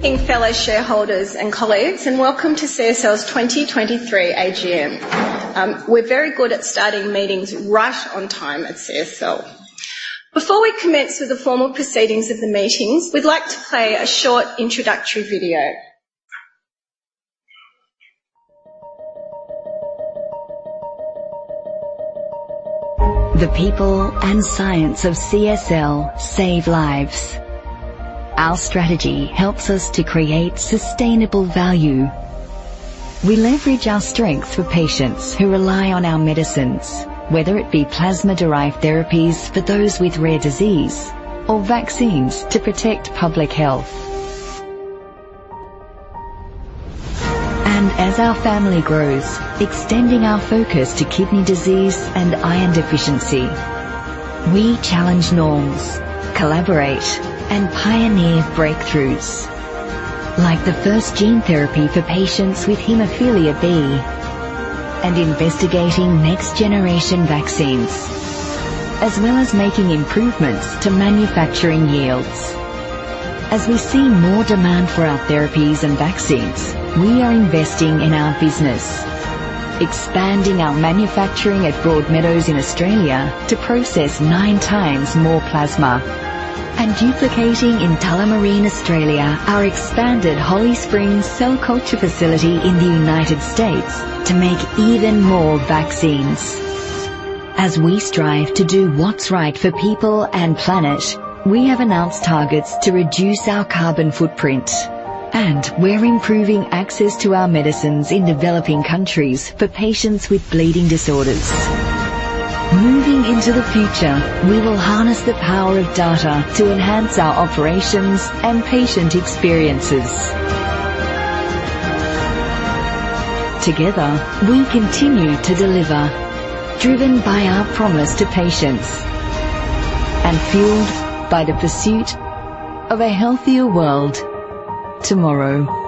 Thank fellow shareholders and colleagues, and welcome to CSL's 2023 AGM. We're very good at starting meetings right on time at CSL. Before we commence with the formal proceedings of the meetings, we'd like to play a short introductory video. The people and science of CSL save lives. Our strategy helps us to create sustainable value. We leverage our strength for patients who rely on our medicines, whether it be plasma-derived therapies for those with rare disease or vaccines to protect public health. As our family grows, extending our focus to kidney disease and iron deficiency, we challenge norms, collaborate, and pioneer breakthroughs, like the first gene therapy for patients with Hemophilia B and investigating next-generation vaccines, as well as making improvements to manufacturing yields. As we see more demand for our therapies and vaccines, we are investing in our business, expanding our manufacturing at Broadmeadows in Australia to process nine times more plasma, and duplicating in Tullamarine, Australia, our expanded Holly Springs cell culture facility in the United States to make even more vaccines. As we strive to do what's right for people and planet, we have announced targets to reduce our carbon footprint, and we're improving access to our medicines in developing countries for patients with bleeding disorders. Moving into the future, we will harness the power of data to enhance our operations and patient experiences. Together, we continue to deliver, driven by our promise to patients and fueled by the pursuit of a healthier world tomorrow.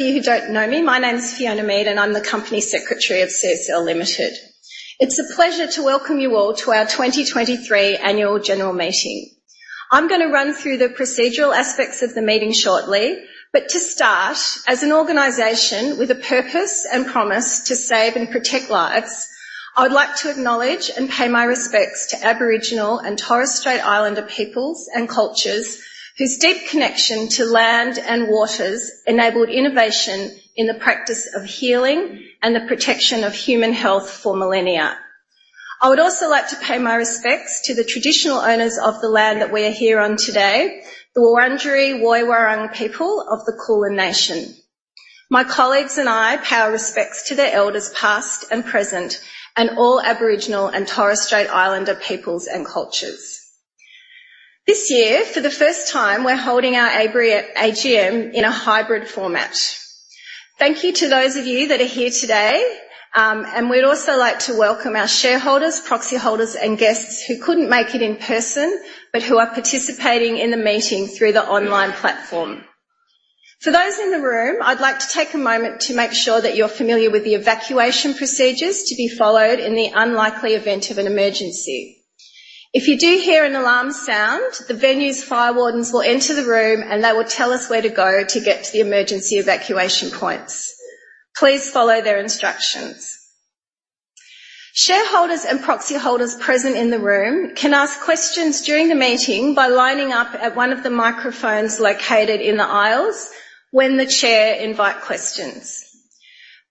For you who don't know me, my name is Fiona Mead, and I'm the Company Secretary of CSL Limited. It's a pleasure to welcome you all to our 2023 Annual General Meeting. I'm gonna run through the procedural aspects of the meeting shortly, but to start, as an organization with a purpose and promise to save and protect lives, I would like to acknowledge and pay my respects to Aboriginal and Torres Strait Islander peoples and cultures whose deep connection to land and waters enabled innovation in the practice of healing and the protection of human health for millennia. I would also like to pay my respects to the traditional owners of the land that we are here on today, the Wurundjeri Woi-wurrung people of the Kulin Nation. My colleagues and I pay our respects to the elders, past and present, and all Aboriginal and Torres Strait Islander peoples and cultures. This year, for the first time, we're holding our AGM in a hybrid format. Thank you to those of you that are here today, and we'd also like to welcome our shareholders, proxy holders, and guests who couldn't make it in person but who are participating in the meeting through the online platform. For those in the room, I'd like to take a moment to make sure that you're familiar with the evacuation procedures to be followed in the unlikely event of an emergency. If you do hear an alarm sound, the venue's fire wardens will enter the room, and they will tell us where to go to get to the emergency evacuation points. Please follow their instructions. Shareholders and proxy holders present in the room can ask questions during the meeting by lining up at one of the microphones located in the aisles when the Chair invites questions.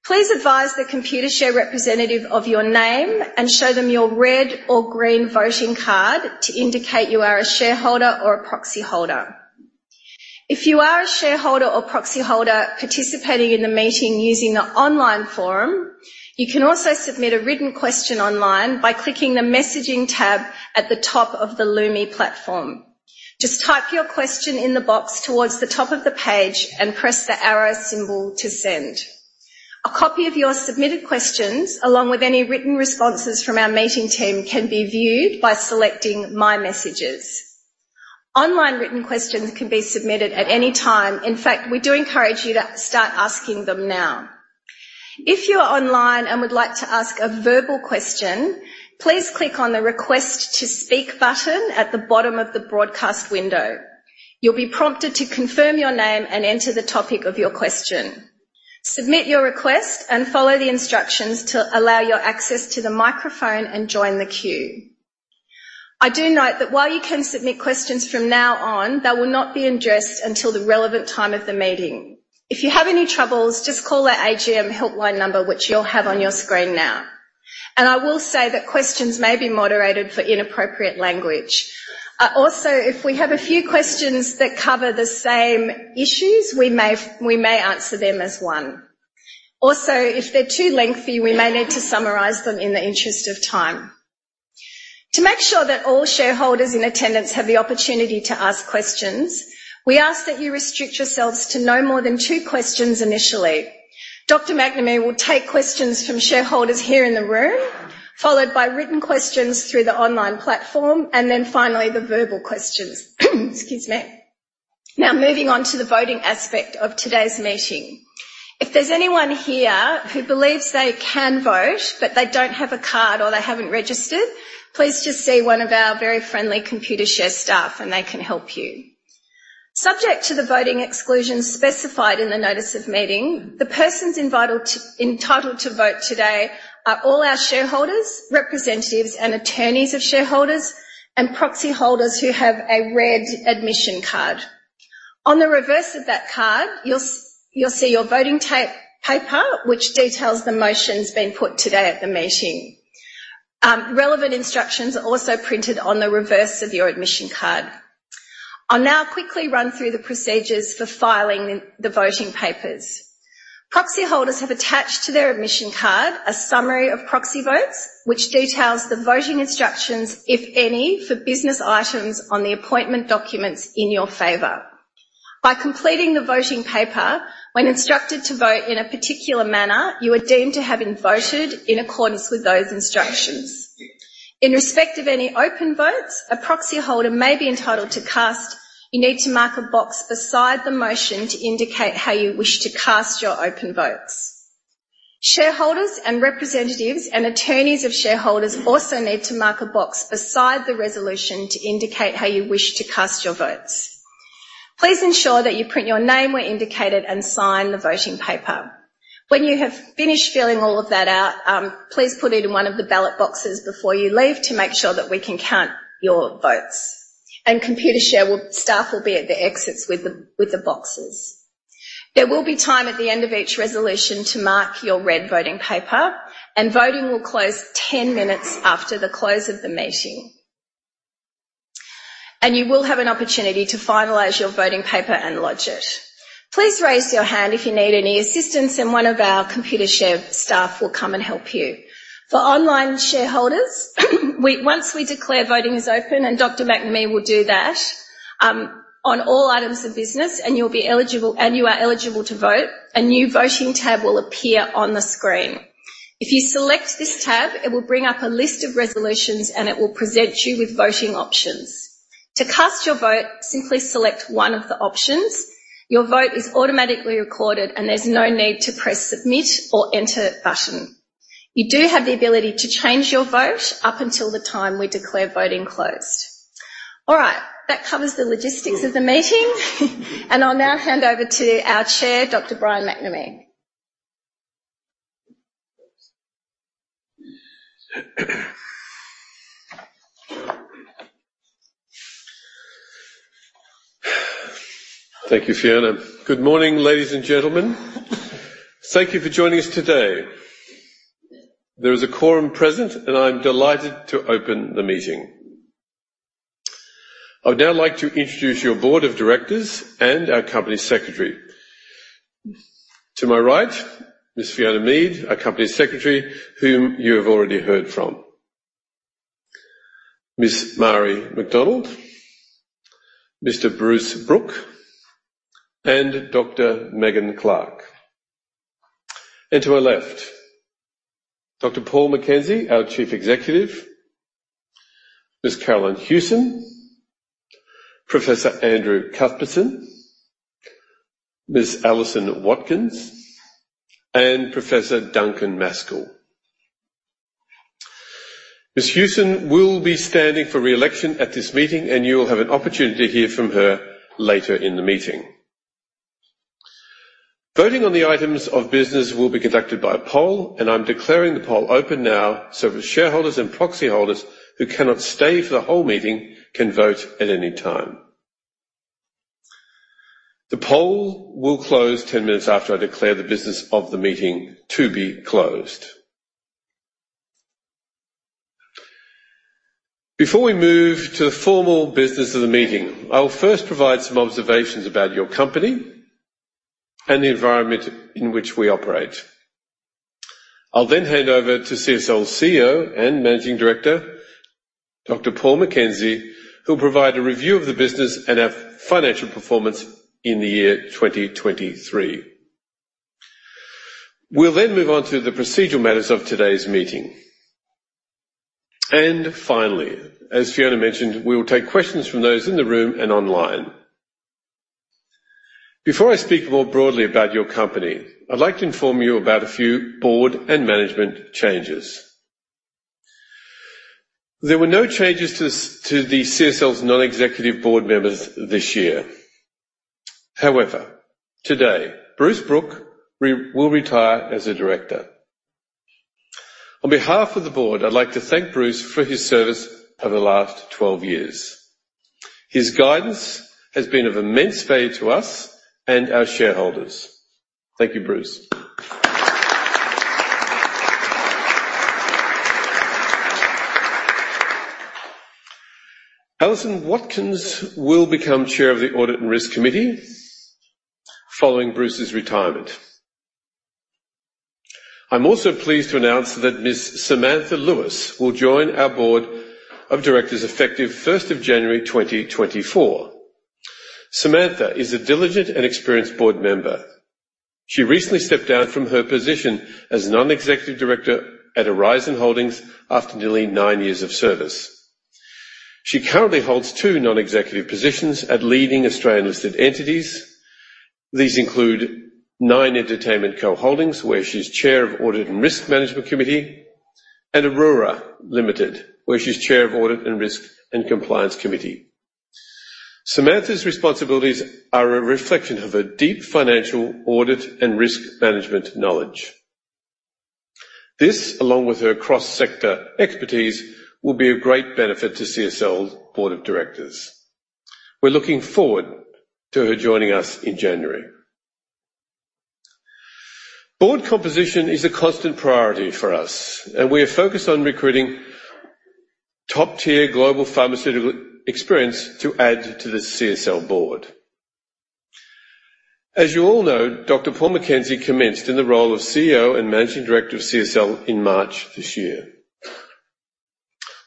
Please advise the Computershare representative of your name and show them your red or green voting card to indicate you are a shareholder or a proxy holder. If you are a shareholder or proxy holder participating in the meeting using the online forum, you can also submit a written question online by clicking the Messaging tab at the top of the Lumi platform. Just type your question in the box towards the top of the page and press the arrow symbol to send. A copy of your submitted questions, along with any written responses from our meeting team, can be viewed by selecting My Messages. Online written questions can be submitted at any time. In fact, we do encourage you to start asking them now. If you are online and would like to ask a verbal question, please click on the Request to Speak button at the bottom of the broadcast window. You'll be prompted to confirm your name and enter the topic of your question. Submit your request, and follow the instructions to allow your access to the microphone and join the queue. I do note that while you can submit questions from now on, they will not be addressed until the relevant time of the meeting. If you have any troubles, just call our AGM helpline number, which you'll have on your screen now. And I will say that questions may be moderated for inappropriate language. Also, if we have a few questions that cover the same issues, we may answer them as one. Also, if they're too lengthy, we may need to summarize them in the interest of time. To make sure that all shareholders in attendance have the opportunity to ask questions, we ask that you restrict yourselves to no more than two questions initially. Dr. McNamee will take questions from shareholders here in the room, followed by written questions through the online platform, and then finally, the verbal questions. Excuse me. Now, moving on to the voting aspect of today's meeting. If there's anyone here who believes they can vote, but they don't have a card or they haven't registered, please just see one of our very friendly Computershare staff, and they can help you. Subject to the voting exclusions specified in the notice of meeting, the persons entitled to vote today are all our shareholders, representatives, and attorneys of shareholders, and proxy holders who have a red admission card. On the reverse of that card, you'll see your voting tape, paper, which details the motions being put today at the meeting. Relevant instructions are also printed on the reverse of your admission card. I'll now quickly run through the procedures for filing the voting papers. Proxy holders have attached to their admission card a summary of proxy votes, which details the voting instructions, if any, for business items on the appointment documents in your favor. By completing the voting paper when instructed to vote in a particular manner, you are deemed to have voted in accordance with those instructions. In respect of any open votes a proxy holder may be entitled to cast, you need to mark a box beside the motion to indicate how you wish to cast your open votes. Shareholders and representatives and attorneys of shareholders also need to mark a box beside the resolution to indicate how you wish to cast your votes. Please ensure that you print your name where indicated and sign the voting paper. When you have finished filling all of that out, please put it in one of the ballot boxes before you leave to make sure that we can count your votes, and Computershare staff will be at the exits with the boxes. There will be time at the end of each resolution to mark your red voting paper, and voting will close ten minutes after the close of the meeting. You will have an opportunity to finalize your voting paper and lodge it. Please raise your hand if you need any assistance, and one of our Computershare staff will come and help you. For online shareholders, once we declare voting is open, and Dr. McNamee will do that, on all items of business, and you are eligible to vote, a new voting tab will appear on the screen. If you select this tab, it will bring up a list of resolutions, and it will present you with voting options. To cast your vote, simply select one of the options. Your vote is automatically recorded, and there's no need to press submit or enter button. You do have the ability to change your vote up until the time we declare voting closed. All right, that covers the logistics of the meeting, and I'll now hand over to our Chair, Dr. Brian McNamee. Thank you, Fiona. Good morning, ladies and gentlemen. Thank you for joining us today. There is a quorum present, and I'm delighted to open the meeting. I would now like to introduce your board of directors and our company secretary. To my right, Ms. Fiona Mead, our company secretary, whom you have already heard from. Ms. Marie McDonald, Mr. Bruce Brook, and Dr. Megan Clark. And to my left, Dr. Paul McKenzie, our Chief Executive, Ms. Carolyn Hewson, Professor Andrew Cuthbertson, Ms. Alison Watkins, and Professor Duncan Maskell. Ms. Hewson will be standing for re-election at this meeting, and you will have an opportunity to hear from her later in the meeting. Voting on the items of business will be conducted by a poll, and I'm declaring the poll open now, so the shareholders and proxy holders who cannot stay for the whole meeting can vote at any time. The poll will close 10 minutes after I declare the business of the meeting to be closed. Before we move to the formal business of the meeting, I will first provide some observations about your company and the environment in which we operate. I'll then hand over to CSL's CEO and Managing Director, Dr. Paul McKenzie, who'll provide a review of the business and our financial performance in the year 2023. We'll then move on to the procedural matters of today's meeting. Finally, as Fiona mentioned, we will take questions from those in the room and online. Before I speak more broadly about your company, I'd like to inform you about a few board and management changes. There were no changes to CSL's non-executive board members this year. However, today, Bruce Brook will retire as a director. On behalf of the board, I'd like to thank Bruce for his service over the last 12 years. His guidance has been of immense value to us and our shareholders. Thank you, Bruce. Alison Watkins will become Chair of the Audit and Risk Committee following Bruce's retirement. I'm also pleased to announce that Ms. Samantha Lewis will join our board of directors effective January 1, 2024.... Samantha is a diligent and experienced board member. She recently stepped down from her position as non-executive director at Aurizon Holdings after nearly 9 years of service. She currently holds two non-executive positions at leading Australian listed entities. These include Nine Entertainment Co Holdings, where she's Chair of Audit and Risk Management Committee, and Orora Limited, where she's Chair of Audit and Risk and Compliance Committee. Samantha's responsibilities are a reflection of her deep financial audit and risk management knowledge. This, along with her cross-sector expertise, will be a great benefit to CSL's board of directors. We're looking forward to her joining us in January. Board composition is a constant priority for us, and we are focused on recruiting top-tier global pharmaceutical experience to add to the CSL board. As you all know, Dr. Paul McKenzie commenced in the role of CEO and Managing Director of CSL in March this year.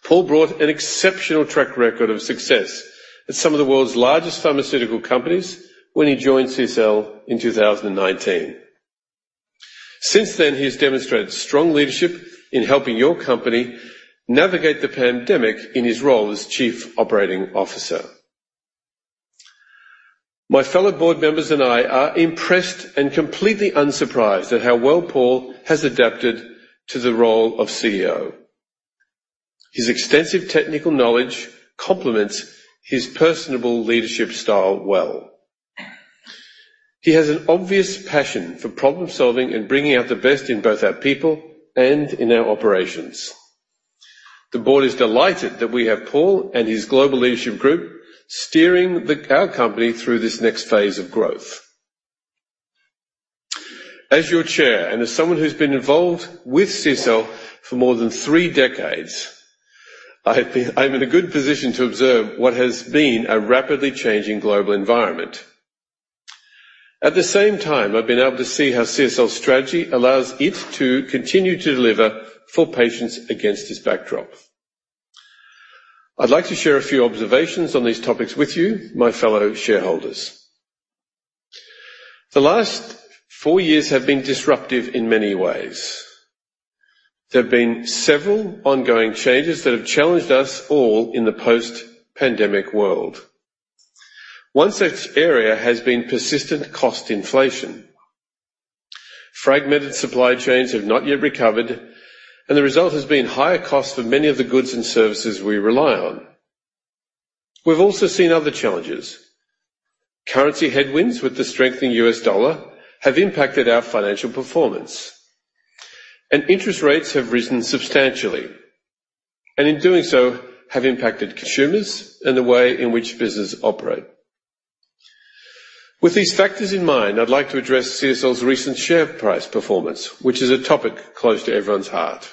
Paul brought an exceptional track record of success at some of the world's largest pharmaceutical companies when he joined CSL in 2019. Since then, he has demonstrated strong leadership in helping your company navigate the pandemic in his role as Chief Operating Officer. My fellow board members and I are impressed and completely unsurprised at how well Paul has adapted to the role of CEO. His extensive technical knowledge complements his personable leadership style well. He has an obvious passion for problem-solving and bringing out the best in both our people and in our operations. The board is delighted that we have Paul and his global leadership group steering our company through this next phase of growth. As your chair, and as someone who's been involved with CSL for more than three decades, I'm in a good position to observe what has been a rapidly changing global environment. At the same time, I've been able to see how CSL's strategy allows it to continue to deliver for patients against this backdrop. I'd like to share a few observations on these topics with you, my fellow shareholders. The last four years have been disruptive in many ways. There have been several ongoing changes that have challenged us all in the post-pandemic world. One such area has been persistent cost inflation. Fragmented supply chains have not yet recovered, and the result has been higher costs for many of the goods and services we rely on. We've also seen other challenges. Currency headwinds with the strengthening U.S. dollar have impacted our financial performance, and interest rates have risen substantially, and in doing so, have impacted consumers and the way in which businesses operate. With these factors in mind, I'd like to address CSL's recent share price performance, which is a topic close to everyone's heart.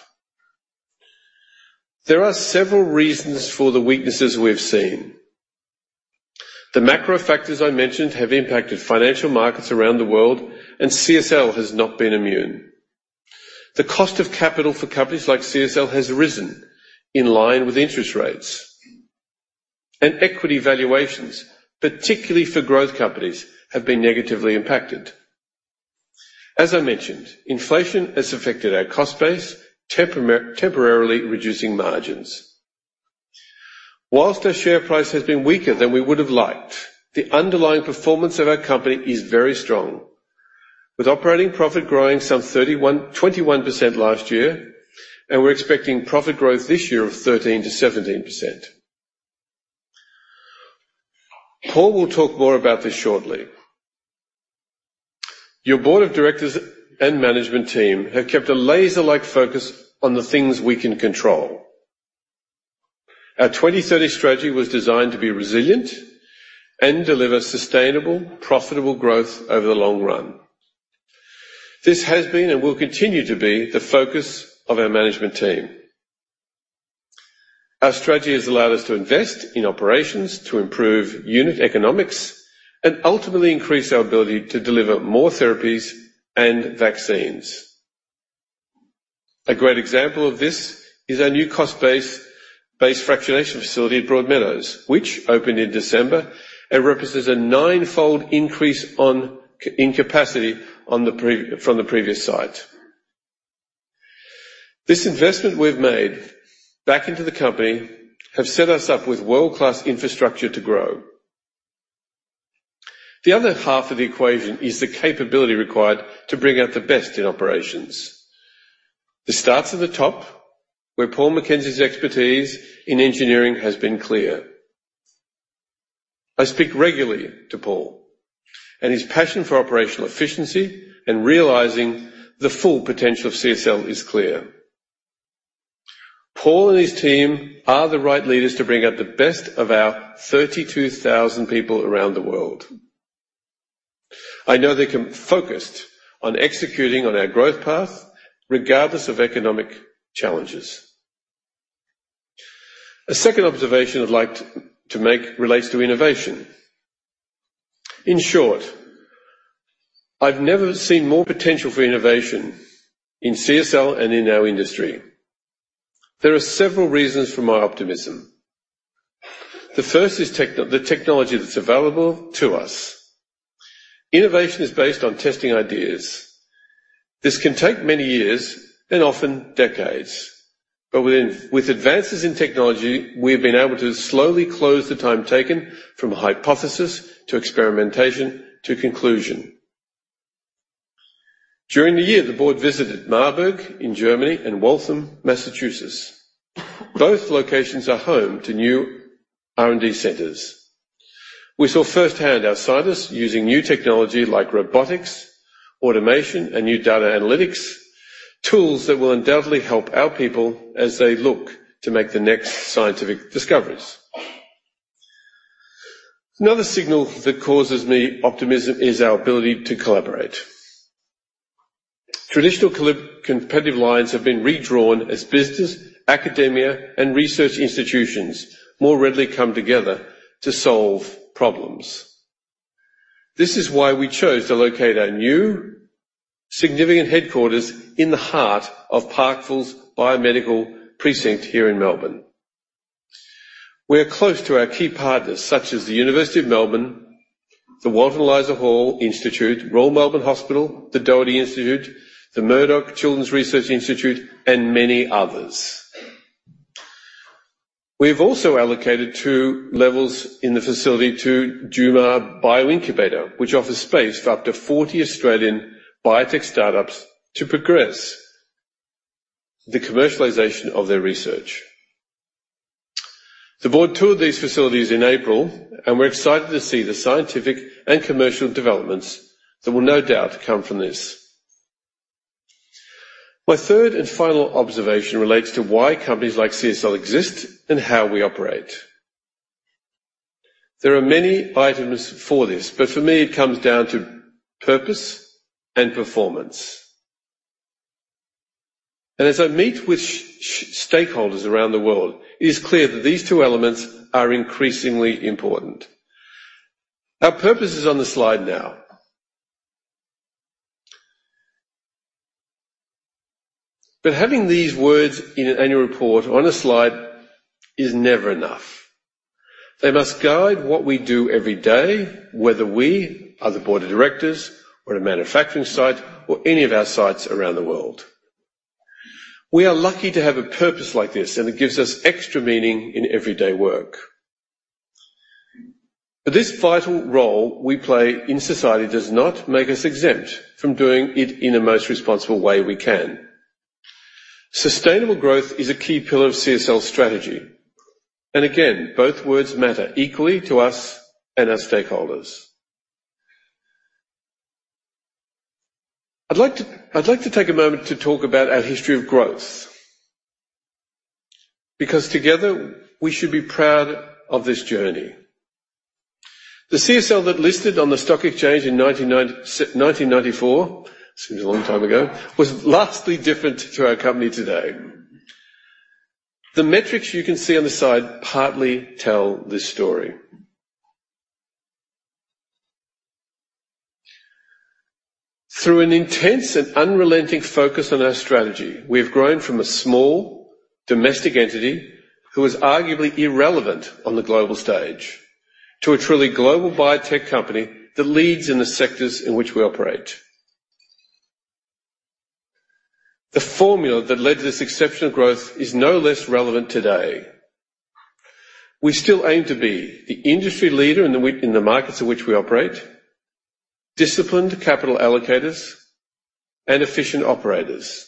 There are several reasons for the weaknesses we've seen. The macro factors I mentioned have impacted financial markets around the world, and CSL has not been immune. The cost of capital for companies like CSL has risen in line with interest rates, and equity valuations, particularly for growth companies, have been negatively impacted. As I mentioned, inflation has affected our cost base, temporarily reducing margins. While our share price has been weaker than we would have liked, the underlying performance of our company is very strong, with operating profit growing some 21% last year, and we're expecting profit growth this year of 13% to 17%. Paul will talk more about this shortly. Your board of directors and management team have kept a laser-like focus on the things we can control. Our 2030 strategy was designed to be resilient and deliver sustainable, profitable growth over the long run. This has been, and will continue to be, the focus of our management team. Our strategy has allowed us to invest in operations to improve unit economics and ultimately increase our ability to deliver more therapies and vaccines. A great example of this is our new cost base fractionation facility at Broadmeadows, which opened in December and represents a ninefold increase in capacity from the previous site. This investment we've made back into the company has set us up with world-class infrastructure to grow. The other half of the equation is the capability required to bring out the best in operations. This starts at the top, where Paul McKenzie's expertise in engineering has been clear. I speak regularly to Paul, and his passion for operational efficiency and realizing the full potential of CSL is clear. Paul and his team are the right leaders to bring out the best of our 32,000 people around the world. I know they're focused on executing on our growth path, regardless of economic challenges. A second observation I'd like to make relates to innovation. In short-... I've never seen more potential for innovation in CSL and in our industry. There are several reasons for my optimism. The first is the technology that's available to us. Innovation is based on testing ideas. This can take many years and often decades, but with advances in technology, we've been able to slowly close the time taken from hypothesis, to experimentation, to conclusion. During the year, the board visited Marburg, Germany and Waltham, Massachusetts. Both locations are home to new R&D centers. We saw firsthand our scientists using new technology like robotics, automation, and new data analytics, tools that will undoubtedly help our people as they look to make the next scientific discoveries. Another signal that causes me optimism is our ability to collaborate. Traditional competitive lines have been redrawn as business, academia, and research institutions more readily come together to solve problems. This is why we chose to locate our new significant headquarters in the heart of Parkville's Biomedical Precinct here in Melbourne. We're close to our key partners, such as the University of Melbourne, the Walter and Eliza Hall Institute, Royal Melbourne Hospital, the Doherty Institute, the Murdoch Children's Research Institute, and many others. We've also allocated 2 levels in the facility to Jumar Bioincubator, which offers space for up to 40 Australian biotech startups to progress the commercialization of their research. The board toured these facilities in April, and we're excited to see the scientific and commercial developments that will no doubt come from this. My third and final observation relates to why companies like CSL exist and how we operate. There are many items for this, but for me, it comes down to purpose and performance. As I meet with stakeholders around the world, it is clear that these two elements are increasingly important. Our purpose is on the slide now. Having these words in an annual report or on a slide is never enough. They must guide what we do every day, whether we are the board of directors or a manufacturing site or any of our sites around the world. We are lucky to have a purpose like this, and it gives us extra meaning in everyday work. This vital role we play in society does not make us exempt from doing it in the most responsible way we can. Sustainable growth is a key pillar of CSL's strategy, and again, both words matter equally to us and our stakeholders. I'd like to take a moment to talk about our history of growth, because together, we should be proud of this journey. The CSL that listed on the stock exchange in 1994, seems a long time ago, was vastly different to our company today. The metrics you can see on the side partly tell this story. Through an intense and unrelenting focus on our strategy, we have grown from a small, domestic entity who was arguably irrelevant on the global stage, to a truly global biotech company that leads in the sectors in which we operate. The formula that led to this exceptional growth is no less relevant today. We still aim to be the industry leader in the markets in which we operate, disciplined capital allocators, and efficient operators.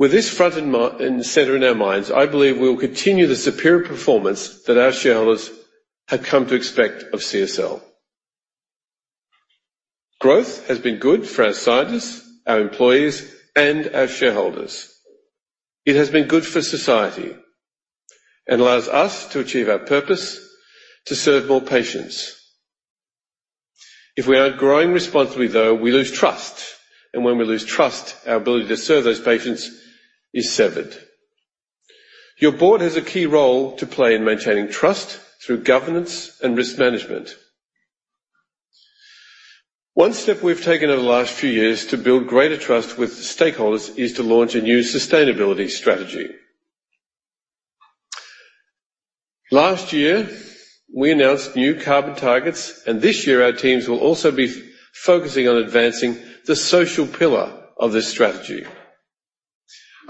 With this front and center in our minds, I believe we will continue the superior performance that our shareholders have come to expect of CSL. Growth has been good for our scientists, our employees, and our shareholders. It has been good for society and allows us to achieve our purpose to serve more patients. If we aren't growing responsibly, though, we lose trust, and when we lose trust, our ability to serve those patients is severed. Your board has a key role to play in maintaining trust through governance and risk management. One step we've taken over the last few years to build greater trust with stakeholders is to launch a new sustainability strategy. Last year, we announced new carbon targets, and this year, our teams will also be focusing on advancing the social pillar of this strategy.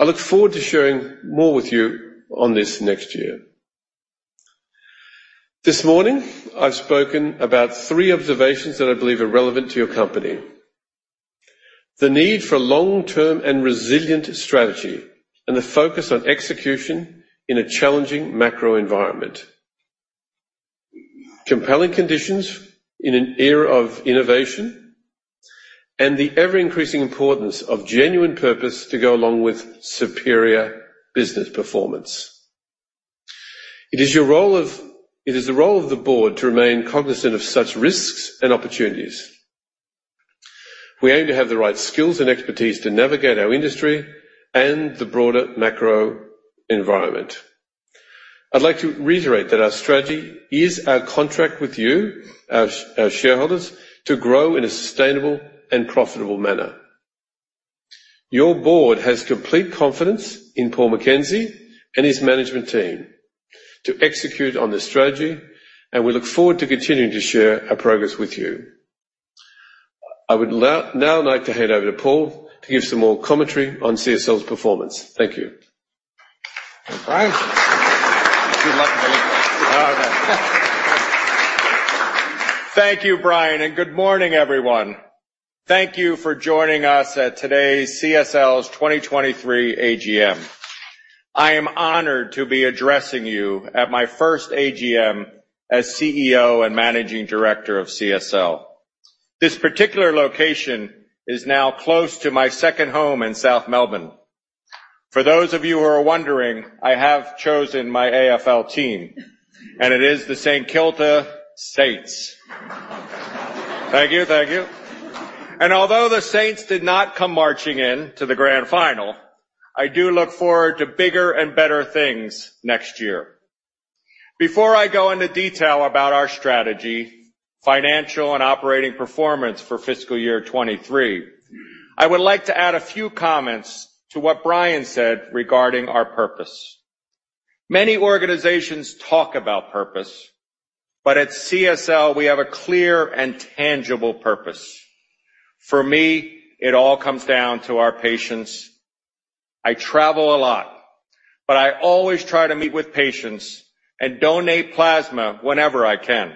I look forward to sharing more with you on this next year. This morning, I've spoken about three observations that I believe are relevant to your company. The need for long-term and resilient strategy, and the focus on execution in a challenging macro environment. Compelling conditions in an era of innovation, and the ever-increasing importance of genuine purpose to go along with superior business performance. It is the role of the board to remain cognizant of such risks and opportunities. We aim to have the right skills and expertise to navigate our industry and the broader macro environment.... I'd like to reiterate that our strategy is our contract with you, our shareholders, to grow in a sustainable and profitable manner. Your board has complete confidence in Paul McKenzie and his management team to execute on this strategy, and we look forward to continuing to share our progress with you. I would now like to hand over to Paul to give some more commentary on CSL's performance. Thank you. Thank you, Brian. Good luck. All right. Thank you, Brian, and good morning, everyone. Thank you for joining us at today's CSL's 2023 AGM. I am honored to be addressing you at my first AGM as CEO and Managing Director of CSL. This particular location is now close to my second home in South Melbourne. For those of you who are wondering, I have chosen my AFL team, and it is the St. Kilda Saints. Thank you. Thank you. And although the Saints did not come marching in to the Grand Final, I do look forward to bigger and better things next year. Before I go into detail about our strategy, financial, and operating performance for fiscal year 2023, I would like to add a few comments to what Brian said regarding our purpose. Many organizations talk about purpose, but at CSL we have a clear and tangible purpose. For me, it all comes down to our patients. I travel a lot, but I always try to meet with patients and donate plasma whenever I can.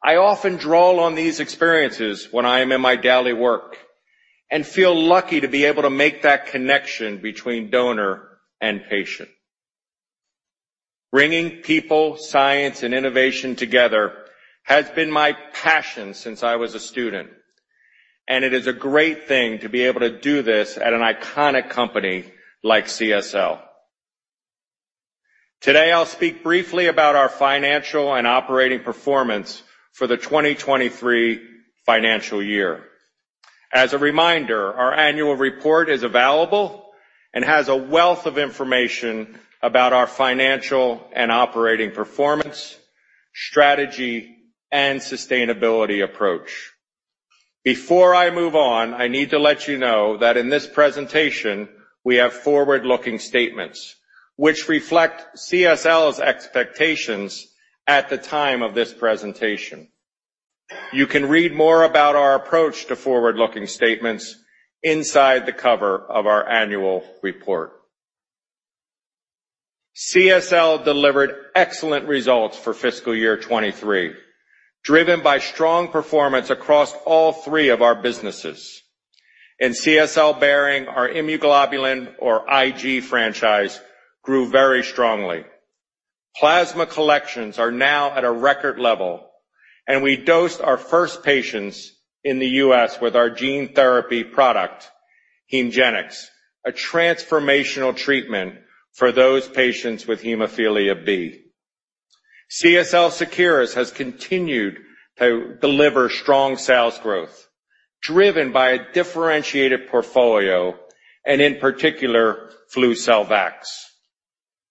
I often draw on these experiences when I am in my daily work and feel lucky to be able to make that connection between donor and patient. Bringing people, science, and innovation together has been my passion since I was a student, and it is a great thing to be able to do this at an iconic company like CSL. Today, I'll speak briefly about our financial and operating performance for the 2023 financial year. As a reminder, our annual report is available and has a wealth of information about our financial and operating performance, strategy, and sustainability approach. Before I move on, I need to let you know that in this presentation, we have forward-looking statements which reflect CSL's expectations at the time of this presentation. You can read more about our approach to forward-looking statements inside the cover of our annual report. CSL delivered excellent results for fiscal year 23, driven by strong performance across all three of our businesses. In CSL Behring, our immunoglobulin, or IG franchise, grew very strongly. Plasma collections are now at a record level, and we dosed our first patients in the U.S. with our gene therapy product, HEMGENIX, a transformational treatment for those patients with hemophilia B. CSL Seqirus has continued to deliver strong sales growth driven by a differentiated portfolio and, in particular, FLUCELVAX.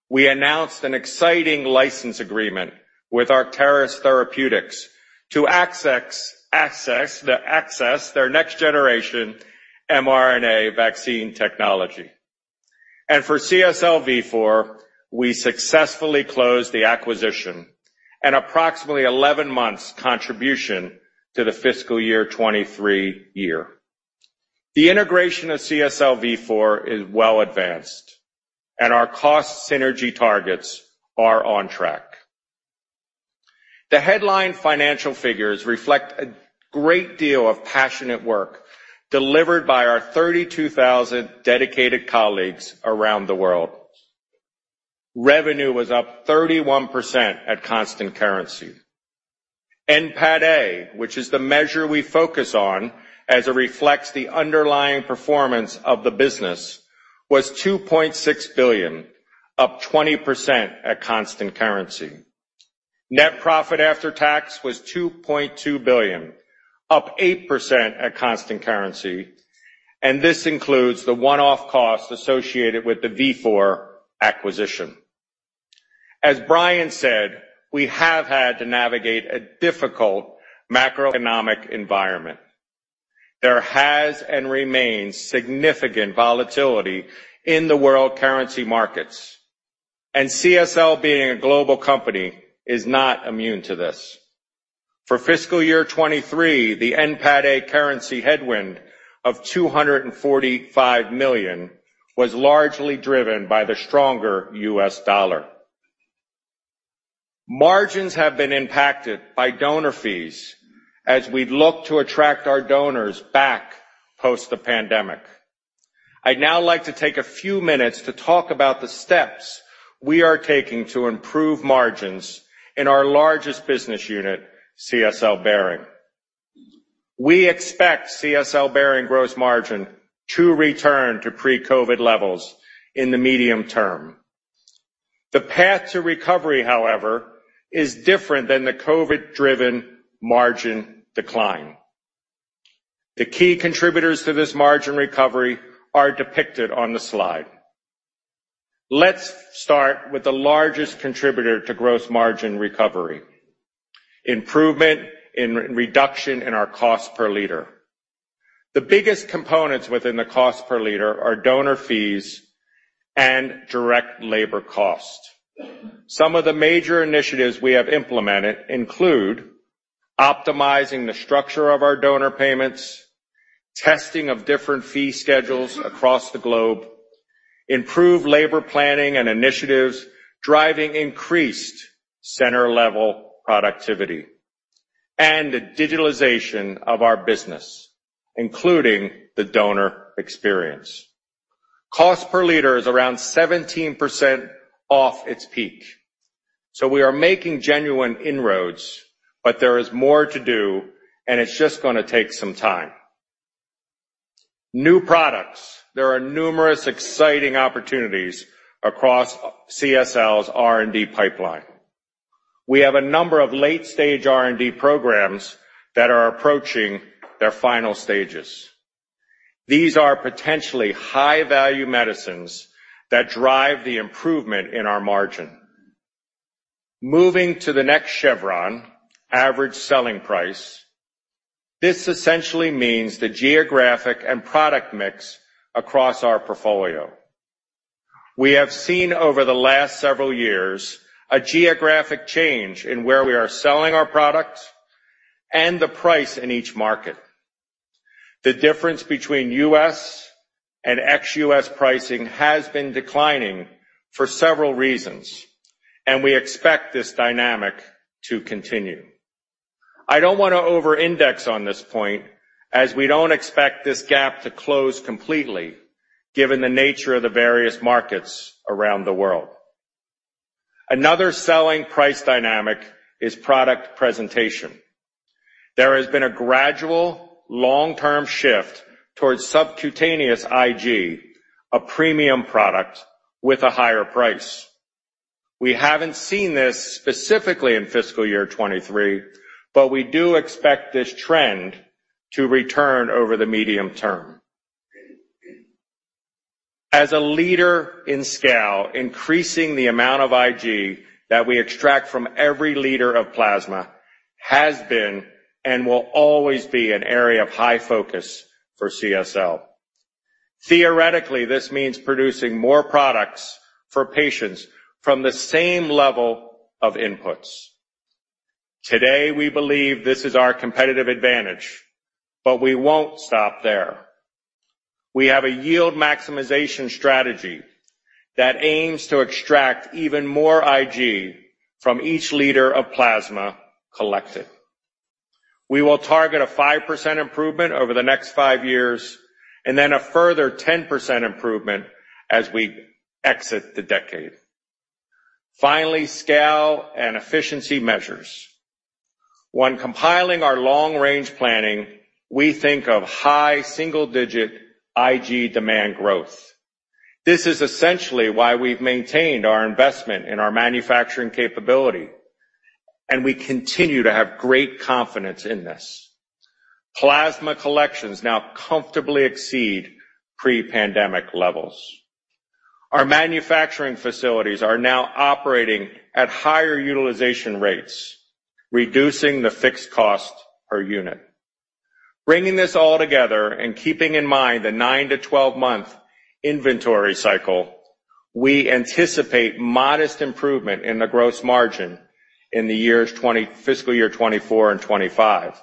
We announced an exciting license agreement with Arcturus Therapeutics to access their next-generation mRNA vaccine technology. For CSL Vifor, we successfully closed the acquisition and approximately 11 months contribution to the fiscal year 2023. The integration of CSL Vifor is well advanced, and our cost synergy targets are on track. The headline financial figures reflect a great deal of passionate work delivered by our 32,000 dedicated colleagues around the world. Revenue was up 31% at constant currency. NPAT-A, which is the measure we focus on as it reflects the underlying performance of the business, was $2.6 billion, up 20% at constant currency. Net profit after tax was $2.2 billion, up 8% at constant currency, and this includes the one-off costs associated with the Vifor acquisition. As Brian said, we have had to navigate a difficult macroeconomic environment. There has and remains significant volatility in the world currency markets, and CSL, being a global company, is not immune to this. For fiscal year 2023, the NPAT-A currency headwind of $245 million was largely driven by the stronger U.S. dollar. Margins have been impacted by donor fees as we look to attract our donors back post the pandemic. I'd now like to take a few minutes to talk about the steps we are taking to improve margins in our largest business unit, CSL Behring. We expect CSL Behring gross margin to return to pre-COVID levels in the medium term. The path to recovery, however, is different than the COVID-driven margin decline.... The key contributors to this margin recovery are depicted on the slide. Let's start with the largest contributor to gross margin recovery, improvement in reduction in our cost per liter. The biggest components within the cost per liter are donor fees and direct labor cost. Some of the major initiatives we have implemented include optimizing the structure of our donor payments, testing of different fee schedules across the globe, improved labor planning and initiatives, driving increased center-level productivity, and the digitalization of our business, including the donor experience. Cost per liter is around 17% off its peak, so we are making genuine inroads, but there is more to do, and it's just going to take some time. New products. There are numerous exciting opportunities across CSL's R&D pipeline. We have a number of late-stage R&D programs that are approaching their final stages. These are potentially high-value medicines that drive the improvement in our margin. Moving to the next chevron, average selling price. This essentially means the geographic and product mix across our portfolio. We have seen over the last several years, a geographic change in where we are selling our products and the price in each market. The difference between U.S. and ex-U.S. pricing has been declining for several reasons, and we expect this dynamic to continue. I don't want to over-index on this point, as we don't expect this gap to close completely given the nature of the various markets around the world. Another selling price dynamic is product presentation. There has been a gradual, long-term shift towards subcutaneous IG, a premium product with a higher price. We haven't seen this specifically in fiscal year 2023, but we do expect this trend to return over the medium term. As a leader in scale, increasing the amount of IG that we extract from every liter of plasma has been and will always be an area of high focus for CSL. Theoretically, this means producing more products for patients from the same level of inputs. Today, we believe this is our competitive advantage, but we won't stop there. We have a yield maximization strategy that aims to extract even more IG from each liter of plasma collected. We will target a 5% improvement over the next 5 years, and then a further 10% improvement as we exit the decade. Finally, scale and efficiency measures. When compiling our long-range planning, we think of high single-digit IG demand growth. This is essentially why we've maintained our investment in our manufacturing capability, and we continue to have great confidence in this. Plasma collections now comfortably exceed pre-pandemic levels. Our manufacturing facilities are now operating at higher utilization rates, reducing the fixed cost per unit. Bringing this all together and keeping in mind the 9 to 12‑month inventory cycle, we anticipate modest improvement in the gross margin in fiscal year 2024 and 2025,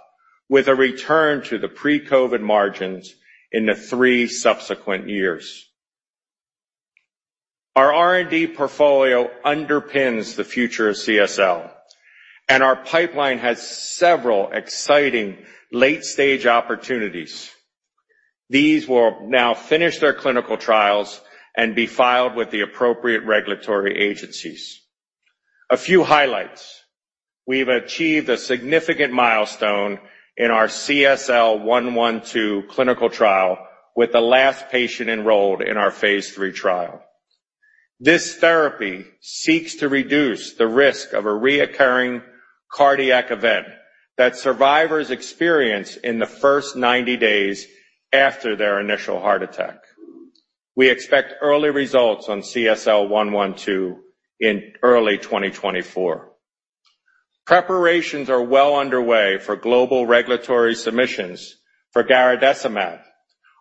with a return to the pre-COVID margins in the 3 subsequent years. Our R&D portfolio underpins the future of CSL, and our pipeline has several exciting late-stage opportunities. These will now finish their clinical trials and be filed with the appropriate regulatory agencies. A few highlights. We've achieved a significant milestone in our CSL112 clinical trial, with the last patient enrolled in our phase 3 trial. This therapy seeks to reduce the risk of a reoccurring cardiac event that survivors experience in the first 90 days after their initial heart attack. We expect early results on CSL112 in early 2024. Preparations are well underway for global regulatory submissions for Garadacimab,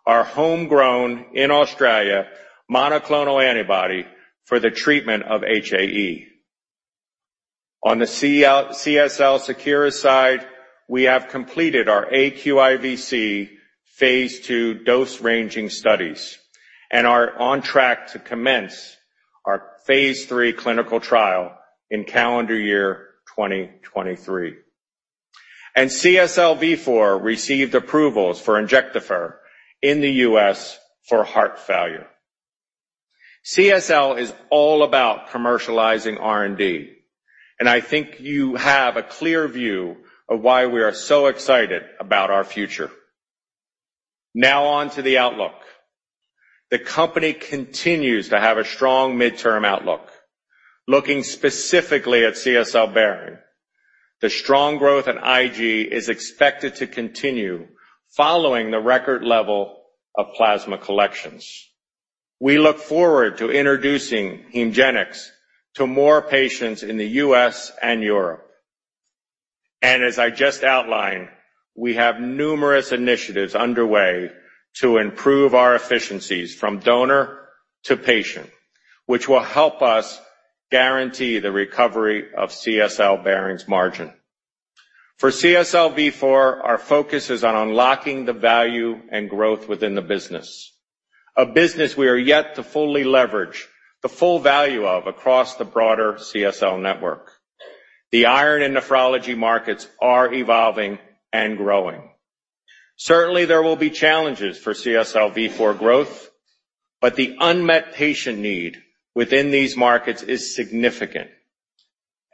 our homegrown in Australia, monoclonal antibody for the treatment of HAE. On the CSL Seqirus side, we have completed our aQIVc phase 2 dose-ranging studies and are on track to commence our phase 3 clinical trial in calendar year 2023. CSL Vifor received approvals for Injectafer in the US for heart failure. CSL is all about commercializing R&D, and I think you have a clear view of why we are so excited about our future. Now on to the outlook... The company continues to have a strong midterm outlook. Looking specifically at CSL Behring, the strong growth in IG is expected to continue following the record level of plasma collections. We look forward to introducing HEMGENIX to more patients in the US and Europe. As I just outlined, we have numerous initiatives underway to improve our efficiencies from donor to patient, which will help us guarantee the recovery of CSL Behring's margin. For CSL Vifor, our focus is on unlocking the value and growth within the business. A business we are yet to fully leverage the full value of across the broader CSL network. The iron and nephrology markets are evolving and growing. Certainly, there will be challenges for CSL Vifor growth, but the unmet patient need within these markets is significant,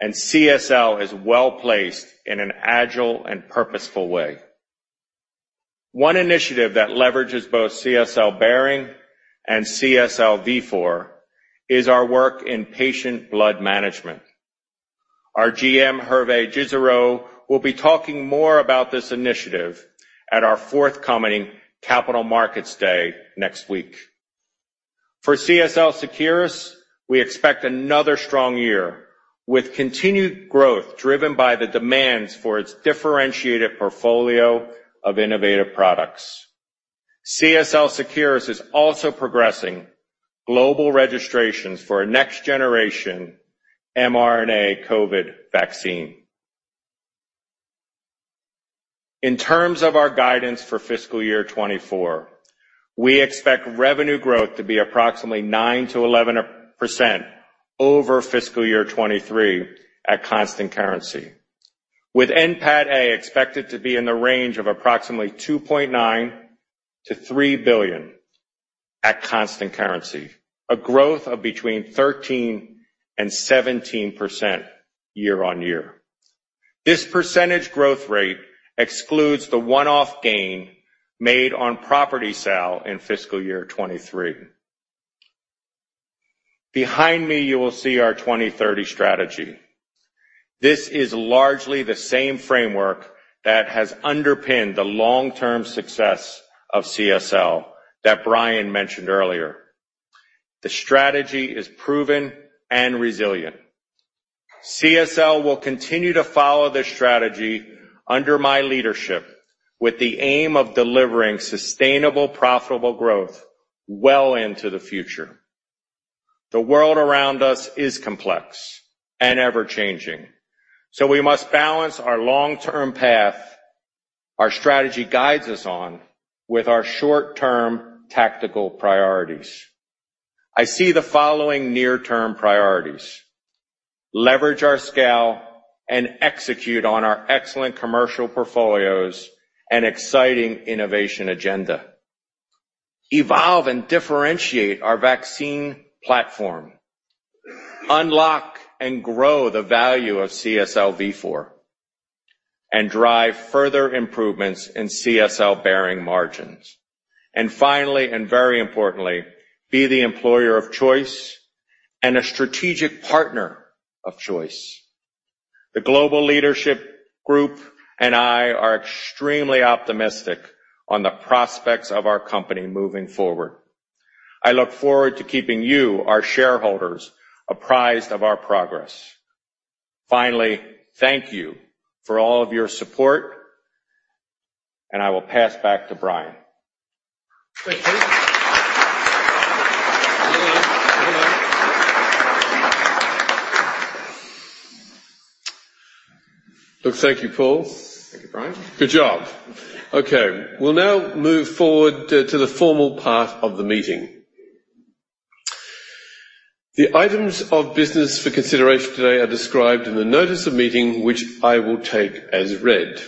and CSL is well-placed in an agile and purposeful way. One initiative that leverages both CSL Behring and CSL Vifor is our work in patient blood management. Our GM, Hervé Gisserot, will be talking more about this initiative at our forthcoming Capital Markets Day next week. For CSL Seqirus, we expect another strong year, with continued growth driven by the demands for its differentiated portfolio of innovative products. CSL Seqirus is also progressing global registrations for a next-generation mRNA COVID vaccine. In terms of our guidance for fiscal year 2024, we expect revenue growth to be approximately 9%-11% over fiscal year 2023 at constant currency, with NPAT A expected to be in the range of approximately $2.9 billion-$3 billion at constant currency, a growth of between 13% and 17% year-over-year. This percentage growth rate excludes the one-off gain made on property sale in fiscal year 2023. Behind me, you will see our 2030 strategy. This is largely the same framework that has underpinned the long-term success of CSL that Brian mentioned earlier. The strategy is proven and resilient. CSL will continue to follow this strategy under my leadership, with the aim of delivering sustainable, profitable growth well into the future. The world around us is complex and ever-changing, so we must balance our long-term path, our strategy guides us on, with our short-term tactical priorities. I see the following near-term priorities: leverage our scale and execute on our excellent commercial portfolios and exciting innovation agenda, evolve and differentiate our vaccine platform, unlock and grow the value of CSL Vifor, and drive further improvements in CSL Behring margins. And finally, and very importantly, be the employer of choice and a strategic partner of choice. The global leadership group and I are extremely optimistic on the prospects of our company moving forward. I look forward to keeping you, our shareholders, apprised of our progress. Finally, thank you for all of your support, and I will pass back to Brian. Thank you. Well, thank you, Paul.Cost per liter is now about 17% below its peak. Thank you, Brian. Good job. Okay, we'll now move forward to, to the formal part of the meeting. The items of business for consideration today are described in the notice of meeting, which I will take as read.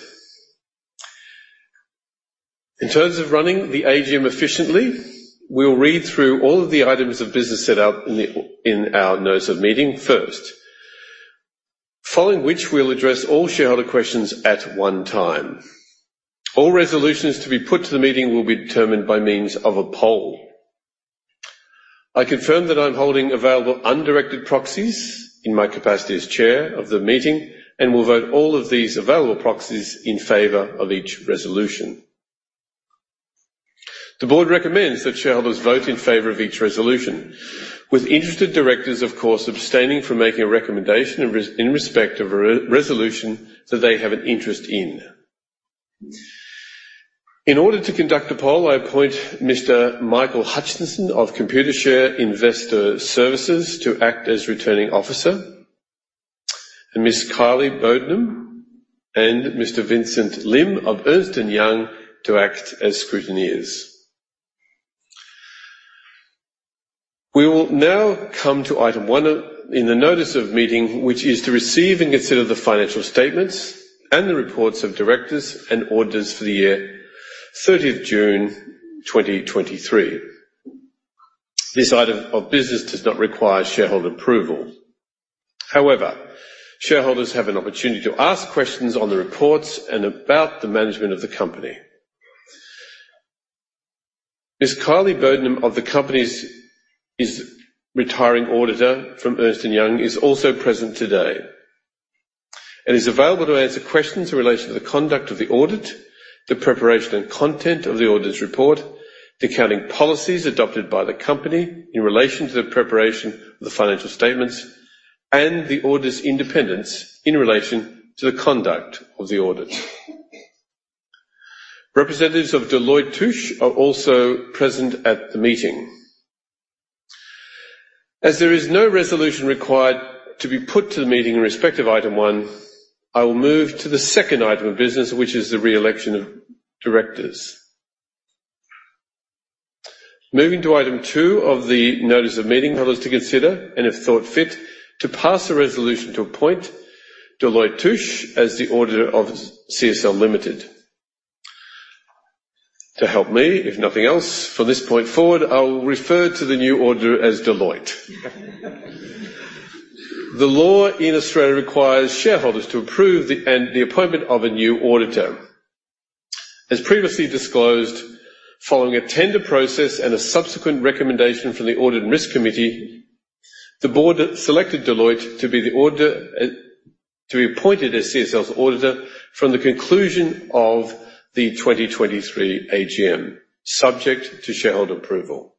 In terms of running the AGM efficiently, we'll read through all of the items of business set out in our notice of meeting first, following which we'll address all shareholder questions at one time. All resolutions to be put to the meeting will be determined by means of a poll. I confirm that I'm holding available undirected proxies in my capacity as chair of the meeting and will vote all of these available proxies in favor of each resolution. The board recommends that shareholders vote in favor of each resolution, with interested directors, of course, abstaining from making a recommendation in respect of a resolution that they have an interest in. In order to conduct the poll, I appoint Mr. Michael Hutchinson of Computershare Investor Services to act as Returning Officer, and Ms. Kylie Bodenham and Mr. Vincent Lim of Ernst & Young to act as scrutineers. We will now come to item one of... in the notice of meeting, which is to receive and consider the financial statements and the reports of directors and auditors for the year 30th June 2023. This item of business does not require shareholder approval.... However, shareholders have an opportunity to ask questions on the reports and about the management of the company. Ms. Kylie Bodenham of the company's retiring auditor from Ernst & Young is also present today, and is available to answer questions in relation to the conduct of the audit, the preparation and content of the auditor's report, the accounting policies adopted by the company in relation to the preparation of the financial statements, and the auditor's independence in relation to the conduct of the audit. Representatives of Deloitte Touche are also present at the meeting. As there is no resolution required to be put to the meeting in respect of item one, I will move to the second item of business, which is the re-election of directors. Moving to item two of the notice of meeting, I'd like to consider, and if thought fit, to pass a resolution to appoint Deloitte Touche as the auditor of CSL Limited. To help me, if nothing else, from this point forward, I will refer to the new auditor as Deloitte. The law in Australia requires shareholders to approve the appointment of a new auditor. As previously disclosed, following a tender process and a subsequent recommendation from the Audit and Risk Committee, the board selected Deloitte to be the auditor to be appointed as CSL's auditor from the conclusion of the 2023 AGM, subject to shareholder approval.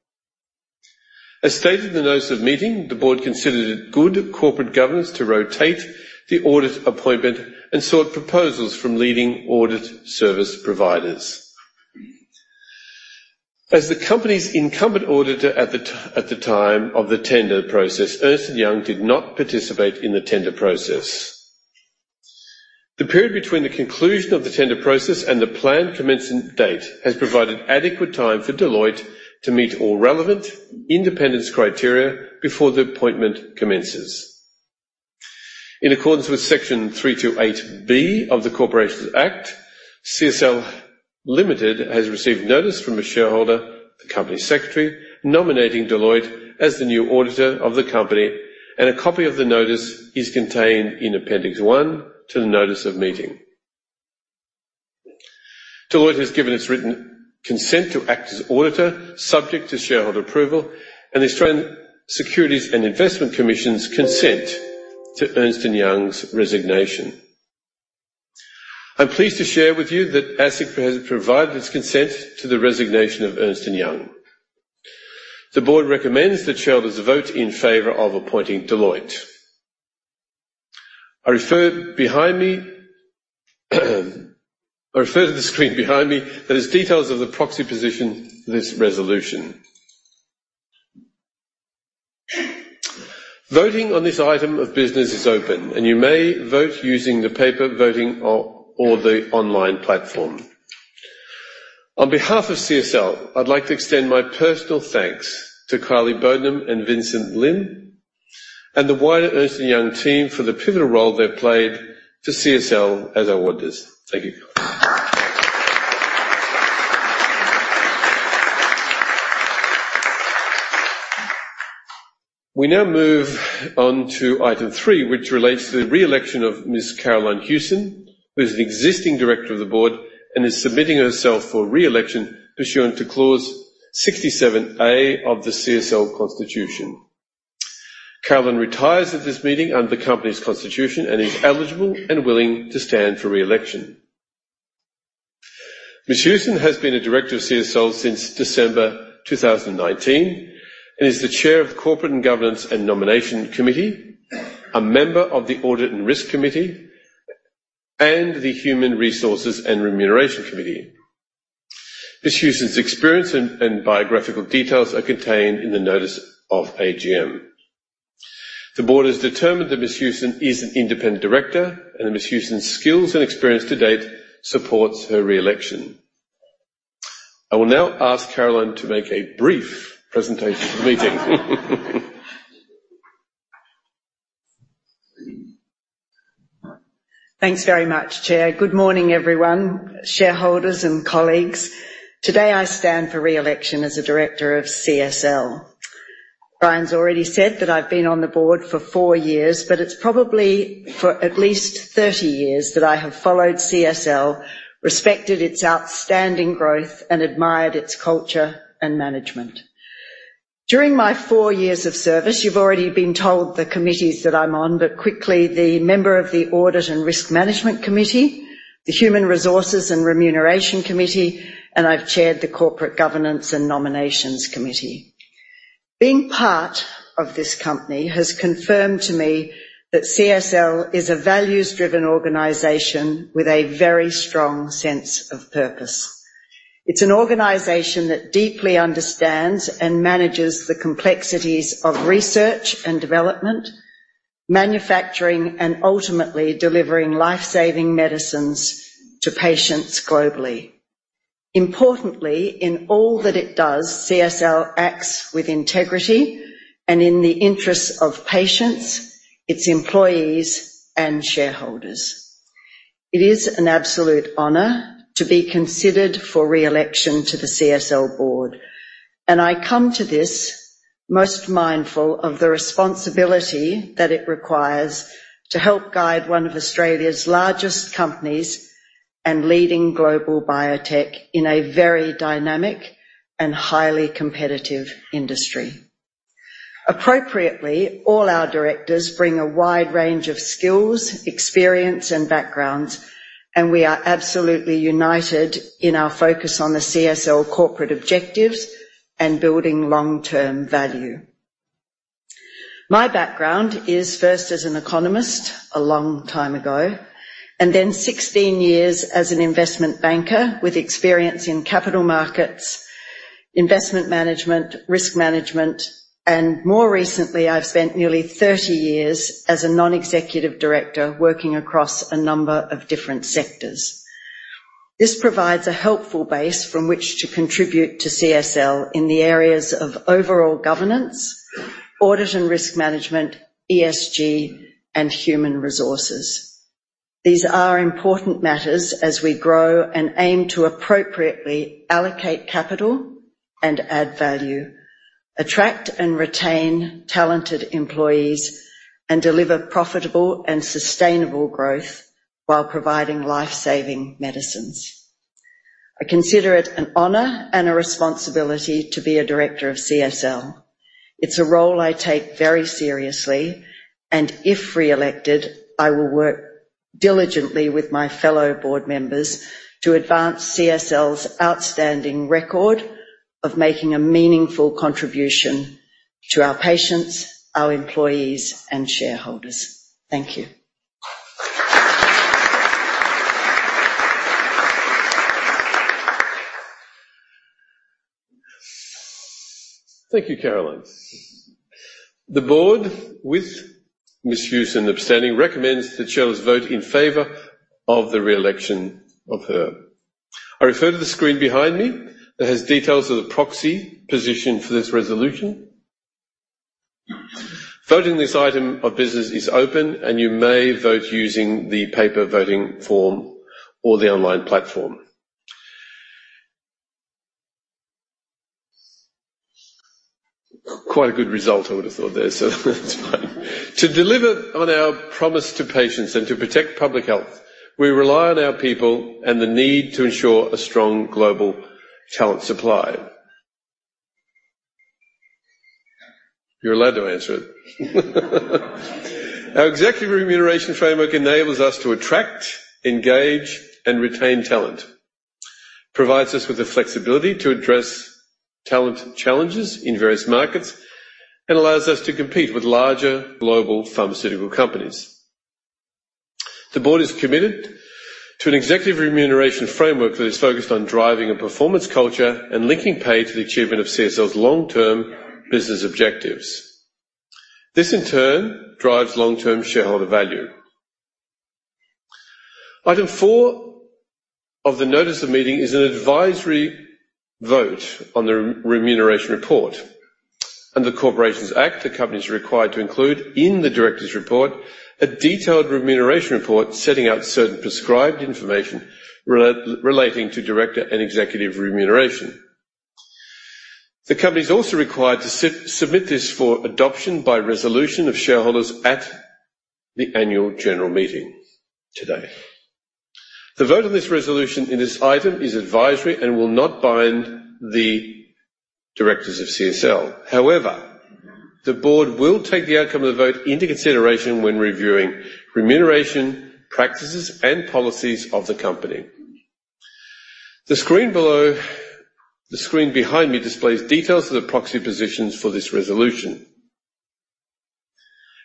As stated in the notice of meeting, the board considered it good corporate governance to rotate the audit appointment and sought proposals from leading audit service providers. As the company's incumbent auditor at the time of the tender process, Ernst & Young did not participate in the tender process. The period between the conclusion of the tender process and the planned commencement date has provided adequate time for Deloitte to meet all relevant independence criteria before the appointment commences. In accordance with Section 328B of the Corporations Act, CSL Limited has received notice from a shareholder, the company secretary, nominating Deloitte as the new auditor of the company, and a copy of the notice is contained in Appendix 1 to the notice of meeting. Deloitte has given its written consent to act as auditor, subject to shareholder approval and the Australian Securities and Investments Commission's consent to Ernst & Young's resignation. I'm pleased to share with you that ASIC has provided its consent to the resignation of Ernst & Young. The board recommends that shareholders vote in favor of appointing Deloitte. I refer to the screen behind me that has details of the proxy position for this resolution. Voting on this item of business is open, and you may vote using the paper voting or the online platform. On behalf of CSL, I'd like to extend my personal thanks to Kylie Bodenham and Vincent Lim, and the wider Ernst & Young team for the pivotal role they played for CSL as our auditors. Thank you. We now move on to item 3, which relates to the re-election of Ms. Carolyn Hewson, who is an existing director of the board and is submitting herself for re-election pursuant to Clause 67A of the CSL Constitution. Carolyn retires at this meeting under the Company's Constitution and is eligible and willing to stand for re-election. Ms. Hewson has been a director of CSL since December 2019, and is the Chair of the Corporate Governance and Nomination Committee, a member of the Audit and Risk Committee, and the Human Resources and Remuneration Committee. Ms. Hewson's experience and biographical details are contained in the notice of AGM. The board has determined that Ms. Hewson is an independent director, and Ms. Hewson's skills and experience to date supports her re-election. I will now ask Carolyn to make a brief presentation to the meeting. Thanks very much, Chair. Good morning, everyone, shareholders and colleagues. Today, I stand for re-election as a director of CSL. Brian's already said that I've been on the board for 4 years, but it's probably for at least 30 years that I have followed CSL, respected its outstanding growth, and admired its culture and management. During my 4 years of service, you've already been told the committees that I'm on, but quickly, the member of the Audit and Risk Management Committee, the Human Resources and Remuneration Committee, and I've chaired the Corporate Governance and Nominations Committee. Being part of this company has confirmed to me that CSL is a values-driven organization with a very strong sense of purpose. It's an organization that deeply understands and manages the complexities of research and development, manufacturing, and ultimately delivering life-saving medicines to patients globally. Importantly, in all that it does, CSL acts with integrity and in the interests of patients, its employees, and shareholders. It is an absolute honor to be considered for re-election to the CSL board. I come to this most mindful of the responsibility that it requires to help guide one of Australia's largest companies and leading global biotech in a very dynamic and highly competitive industry. Appropriately, all our directors bring a wide range of skills, experience, and backgrounds, and we are absolutely united in our focus on the CSL corporate objectives and building long-term value. My background is first as an economist, a long time ago, and then 16 years as an investment banker with experience in capital markets, investment management, risk management, and more recently, I've spent nearly 30 years as a non-executive director, working across a number of different sectors. This provides a helpful base from which to contribute to CSL in the areas of overall governance, audit and risk management, ESG, and human resources. These are important matters as we grow and aim to appropriately allocate capital and add value, attract and retain talented employees, and deliver profitable and sustainable growth while providing life-saving medicines. I consider it an honor and a responsibility to be a director of CSL. It's a role I take very seriously, and if re-elected, I will work diligently with my fellow board members to advance CSL's outstanding record of making a meaningful contribution to our patients, our employees, and shareholders. Thank you. Thank you, Carolyn. The board, with Ms. Hewson abstaining, recommends that shareholders vote in favor of the re-election of her. I refer to the screen behind me that has details of the proxy position for this resolution. Voting in this item of business is open, and you may vote using the paper voting form or the online platform. Quite a good result, I would have thought there, so that's fine. To deliver on our promise to patients and to protect public health, we rely on our people and the need to ensure a strong global talent supply. You're allowed to answer it. Our executive remuneration framework enables us to attract, engage, and retain talent, provides us with the flexibility to address talent challenges in various markets, and allows us to compete with larger global pharmaceutical companies. The board is committed to an executive remuneration framework that is focused on driving a performance culture and linking pay to the achievement of CSL's long-term business objectives. This, in turn, drives long-term shareholder value. Item four of the notice of meeting is an advisory vote on the remuneration report. Under the Corporations Act, the company is required to include in the directors' report, a detailed remuneration report setting out certain prescribed information relating to director and executive remuneration. The company is also required to submit this for adoption by resolution of shareholders at the annual general meeting today. The vote on this resolution in this item is advisory and will not bind the directors of CSL. However, the board will take the outcome of the vote into consideration when reviewing remuneration, practices, and policies of the company. The screen below... The screen behind me displays details of the proxy positions for this resolution.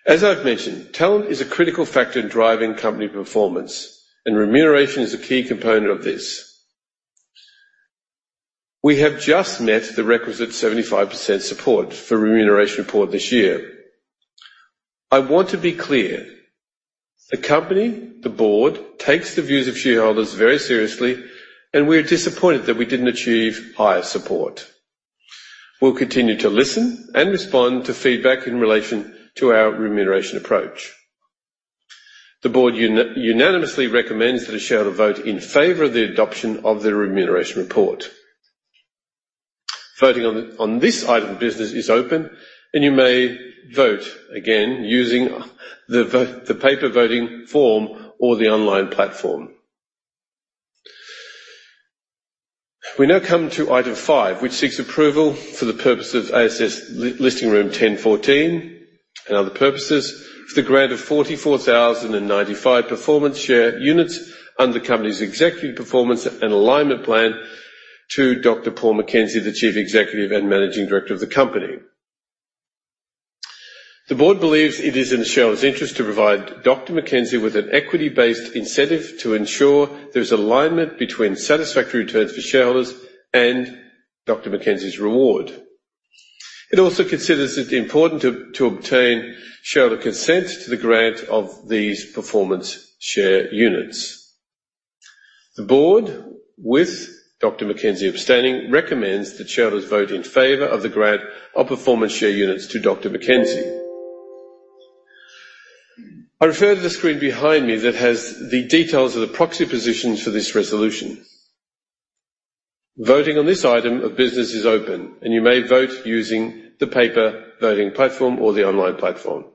As I've mentioned, talent is a critical factor in driving company performance, and remuneration is a key component of this. We have just met the requisite 75% support for remuneration report this year. I want to be clear: the company, the board, takes the views of shareholders very seriously, and we are disappointed that we didn't achieve higher support. We'll continue to listen and respond to feedback in relation to our remuneration approach. The board unanimously recommends that the shareholder vote in favor of the adoption of the remuneration report. Voting on this item of business is open, and you may vote again using the paper voting form or the online platform. We now come to item five, which seeks approval for the purpose of ASX Listing Rule 10.14 and other purposes, for the grant of 44,095 performance share units under the company's Executive Performance and Alignment Plan to Dr. Paul McKenzie, the Chief Executive and Managing Director of the company. The board believes it is in the shareholders' interest to provide Dr. McKenzie with an equity-based incentive to ensure there's alignment between satisfactory returns for shareholders and Dr. McKenzie's reward. It also considers it important to obtain shareholder consent to the grant of these performance share units. The board, with Dr. McKenzie abstaining, recommends that shareholders vote in favor of the grant of performance share units to Dr. McKenzie. I refer to the screen behind me that has the details of the proxy positions for this resolution. Voting on this item of business is open, and you may vote using the paper voting platform or the online platform.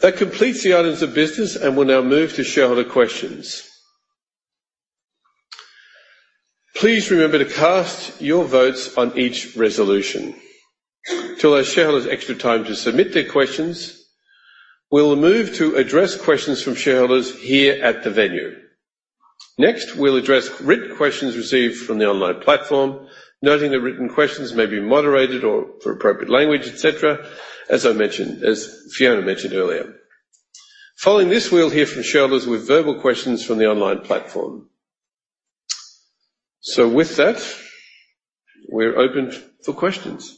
That completes the items of business, and we'll now move to shareholder questions. Please remember to cast your votes on each resolution. To allow shareholders extra time to submit their questions, we'll move to address questions from shareholders here at the venue. Next, we'll address written questions received from the online platform, noting that written questions may be moderated for appropriate language, et cetera, as I mentioned, as Fiona mentioned earlier. Following this, we'll hear from shareholders with verbal questions from the online platform. So with that, we're open for questions.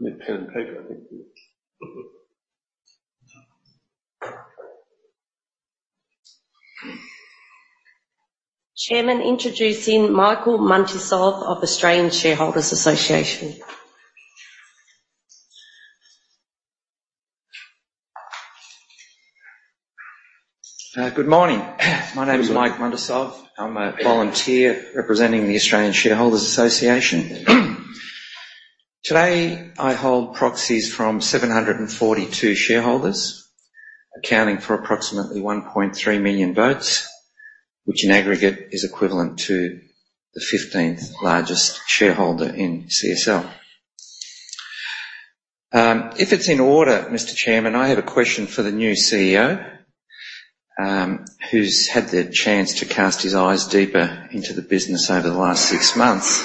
Okay. Need pen and paper, I think. Chairman, introducing Michael Muntisov of Australian Shareholders Association. Good morning. My name is Mike Muntisov. I'm a volunteer representing the Australian Shareholders Association. Today, I hold proxies from 742 shareholders, accounting for approximately 1.3 million votes, which in aggregate, is equivalent to the 15th largest shareholder in CSL. If it's in order, Mr. Chairman, I have a question for the new CEO, who's had the chance to cast his eyes deeper into the business over the last six months.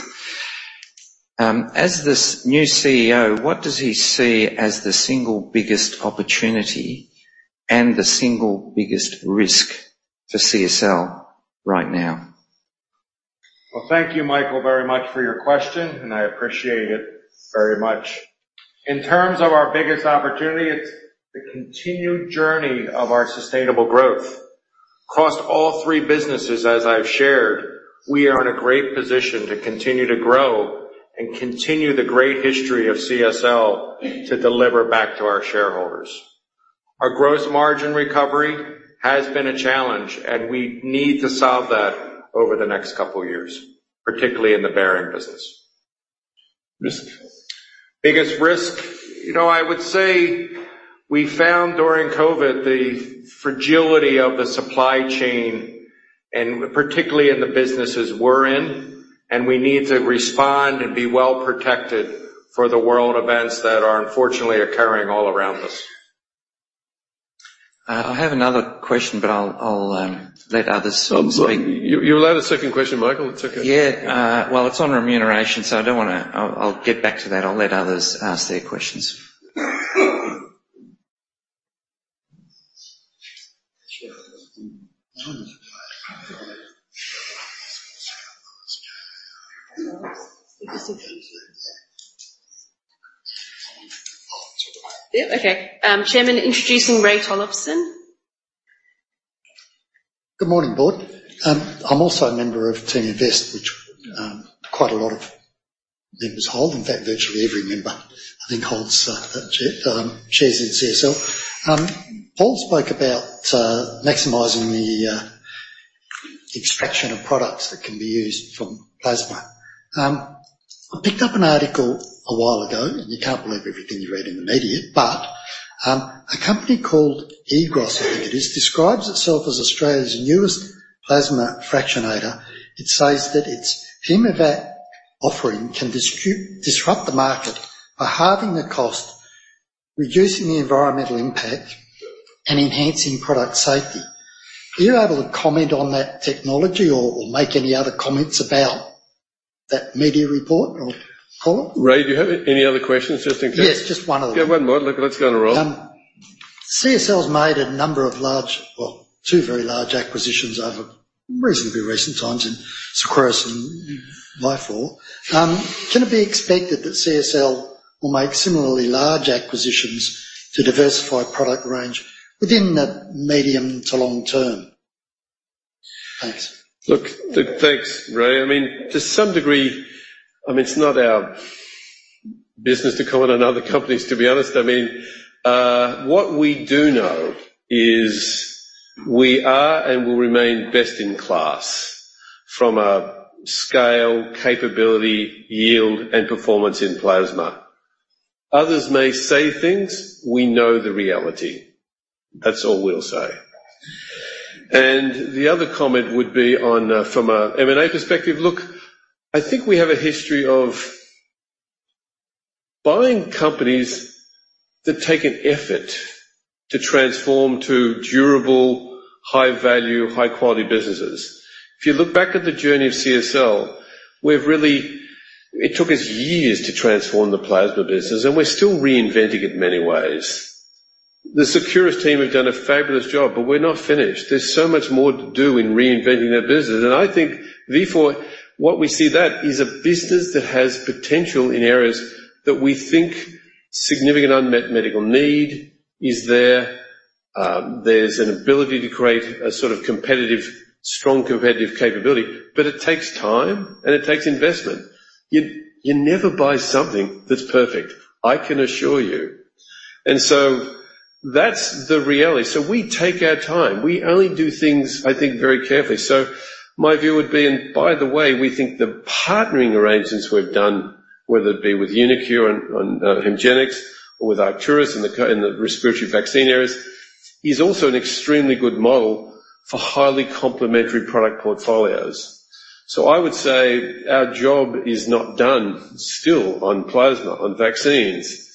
As this new CEO, what does he see as the single biggest opportunity and the single biggest risk for CSL right now? Well, thank you, Michael, very much for your question, and I appreciate it very much. In terms of our biggest opportunity, it's the continued journey of our sustainable growth. Across all three businesses, as I've shared, we are in a great position to continue to grow and continue the great history of CSL to deliver back to our shareholders. Our gross margin recovery has been a challenge, and we need to solve that over the next couple of years, particularly in the Behring business. Risk? Biggest risk, you know, I would say we found during COVID, the fragility of the supply chain, and particularly in the businesses we're in, and we need to respond and be well-protected for the world events that are unfortunately occurring all around us. I have another question, but I'll let others speak. I'm sorry. You're allowed a second question, Michael. It's okay. Yeah. Well, it's on remuneration, so I don't wanna... I'll, I'll get back to that. I'll let others ask their questions. Yeah, okay. Chairman, introducing Ray Tollefson. Good morning, Board. I'm also a member of Team Invest, which, quite a lot of members hold. In fact, virtually every member, I think, holds, shares in CSL. Paul spoke about, maximizing the, extraction of products that can be used from plasma. I picked up an article a while ago, and you can't believe everything you read in the media, but, a company called Aegros, I think it is, describes itself as Australia's newest plasma fractionator. It says that its HaemaFrac offering can disrupt the market by halving the cost, reducing the environmental impact, and enhancing product safety. Are you able to comment on that technology or, or make any other comments about that media report or Paul? Ray, do you have any other questions just in case? Yes, just one other. Yeah, one more. Let's get on a roll. CSL's made a number of large... Well, two very large acquisitions over reasonably recent times in Seqirus and Vifor. Can it be expected that CSL will make similarly large acquisitions to diversify product range within the medium to long term? Thanks. Look, thanks, Ray. I mean, to some degree, I mean, it's not our business to comment on other companies, to be honest. I mean, what we do know is we are and will remain best-in-class from a scale, capability, yield, and performance in plasma. Others may say things, we know the reality. That's all we'll say. And the other comment would be on, from a M&A perspective. Look, I think we have a history of buying companies that take an effort to transform to durable, high-value, high-quality businesses. If you look back at the journey of CSL, we've really. It took us years to transform the plasma business, and we're still reinventing it in many ways. The Seqirus team have done a fabulous job, but we're not finished. There's so much more to do in reinventing their business, and I think Vifor, what we see that, is a business that has potential in areas that we think significant unmet medical need is there. There's an ability to create a sort of competitive, strong competitive capability, but it takes time, and it takes investment. You, you never buy something that's perfect, I can assure you. And so that's the reality. So we take our time. We only do things, I think, very carefully. So my view would be, and by the way, we think the partnering arrangements we've done, whether it be with uniQure on, on, HEMGENIX or with Arcturus in the in the respiratory vaccine areas, is also an extremely good model for highly complementary product portfolios. So I would say our job is not done still on plasma, on vaccines,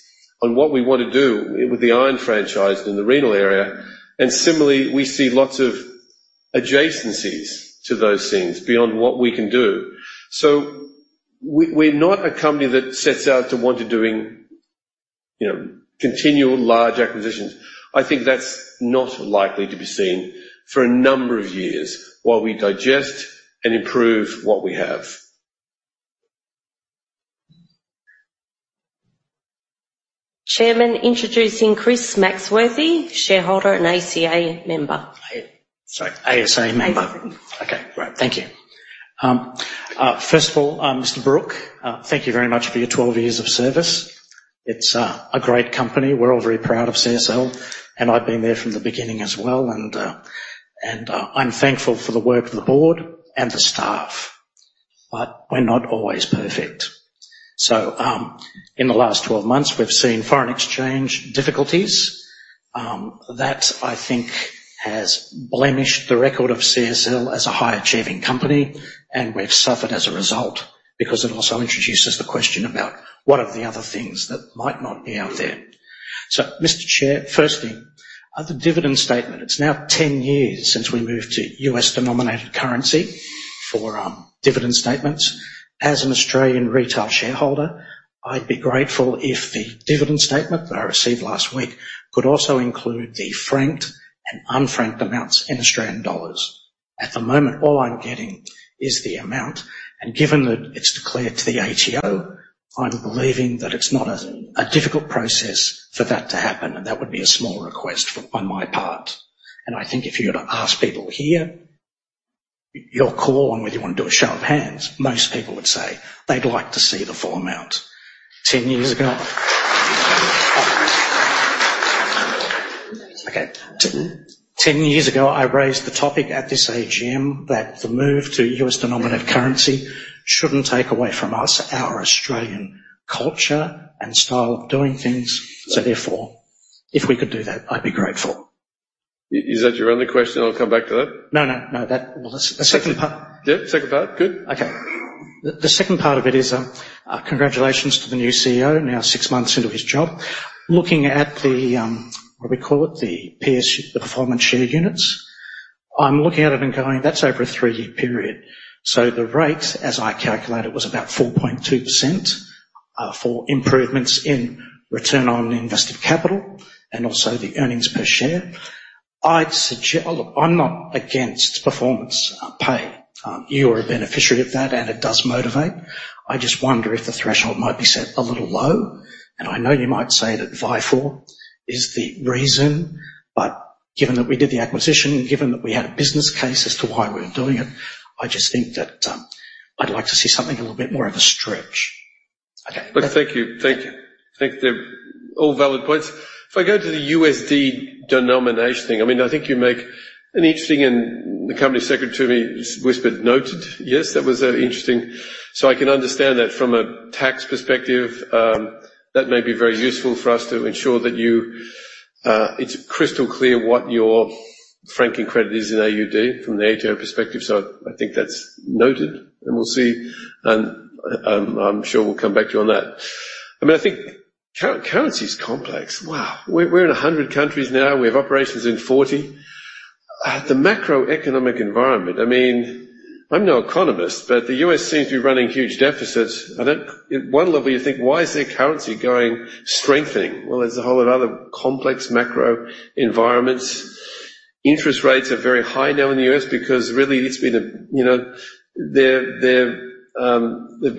on what we want to do with the iron franchise in the renal area, and similarly, we see lots of adjacencies to those things beyond what we can do. So we're not a company that sets out to want to doing, you know, continual large acquisitions. I think that's not likely to be seen for a number of years while we digest and improve what we have. Chairman, introducing Chris Maxworthy, shareholder and ASA member. Sorry, ASA member. ASA. Okay, great. Thank you. First of all, Mr. Brook, thank you very much for your 12 years of service. It's a great company. We're all very proud of CSL, and I've been there from the beginning as well, and I'm thankful for the work of the board and the staff, but we're not always perfect. So, in the last 12 months, we've seen foreign exchange difficulties that I think has blemished the record of CSL as a high-achieving company, and we've suffered as a result because it also introduces the question about what are the other things that might not be out there? So, Mr. Chair, firstly, at the dividend statement, it's now 10 years since we moved to US-denominated currency for dividend statements. As an Australian retail shareholder, I'd be grateful if the dividend statement that I received last week could also include the franked and unfranked amounts in Australian dollars. At the moment, all I'm getting is the amount, and given that it's declared to the ATO, I believe that it's not a difficult process for that to happen, and that would be a small request on my part. I think if you were to ask people here, your call on whether you want to do a show of hands, most people would say they'd like to see the full amount. Ten years ago—okay. Ten years ago, I raised the topic at this AGM that the move to US-denominated currency shouldn't take away from us, our Australian culture and style of doing things. Therefore, if we could do that, I'd be grateful. Is that your only question? I'll come back to that. No, no, no. That was the second part. Yeah, second part. Good. Okay. The second part of it is, congratulations to the new CEO, now six months into his job. Looking at the, what do we call it? The PSU, the performance share units. I'm looking at it and going, "That's over a three-year period." So the rate, as I calculate it, was about 4.2%, for improvements in Return on Invested Capital and also the earnings per share. I'd suggest... Oh, look, I'm not against performance pay. You are a beneficiary of that, and it does motivate. I just wonder if the threshold might be set a little low. I know you might say that Vifor is the reason, but given that we did the acquisition and given that we had a business case as to why we were doing it, I just think that, I'd like to see something a little bit more of a stretch. Okay. Well, thank you. Thank you. I think they're all valid points. If I go to the USD denomination thing, I mean, I think you make an interesting and the company secretary to me whispered, "Noted." Yes, that was interesting. So I can understand that from a tax perspective, that may be very useful for us to ensure that you—it's crystal clear what your franking credit is in AUD from the ATO perspective. So I think that's noted, and we'll see, and, I'm sure we'll come back to you on that. I mean, I think currency is complex. Wow! We're in 100 countries now. We have operations in 40. The macroeconomic environment, I mean, I'm no economist, but the US seems to be running huge deficits, and at one level, you think, "Why is their currency going, strengthening?" Well, there's a whole of other complex macro environments. Interest rates are very high now in the US because really it's been a... You know, they've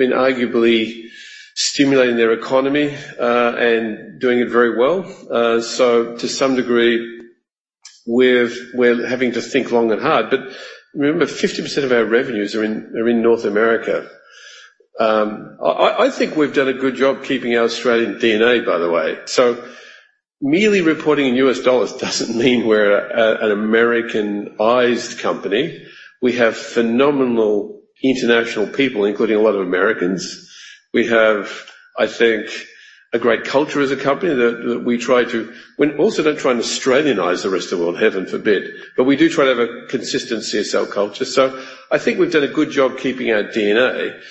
been arguably stimulating their economy, and doing it very well. So to some degree, we're having to think long and hard. But remember, 50% of our revenues are in North America. I think we've done a good job keeping our Australian DNA, by the way. So merely reporting in US dollars doesn't mean we're an Americanized company. We have phenomenal international people, including a lot of Americans. We have, I think, a great culture as a company that we try to... We also don't try and Australianize the rest of the world, heaven forbid, but we do try to have a consistent CSL culture. So I think we've done a good job keeping our DNA.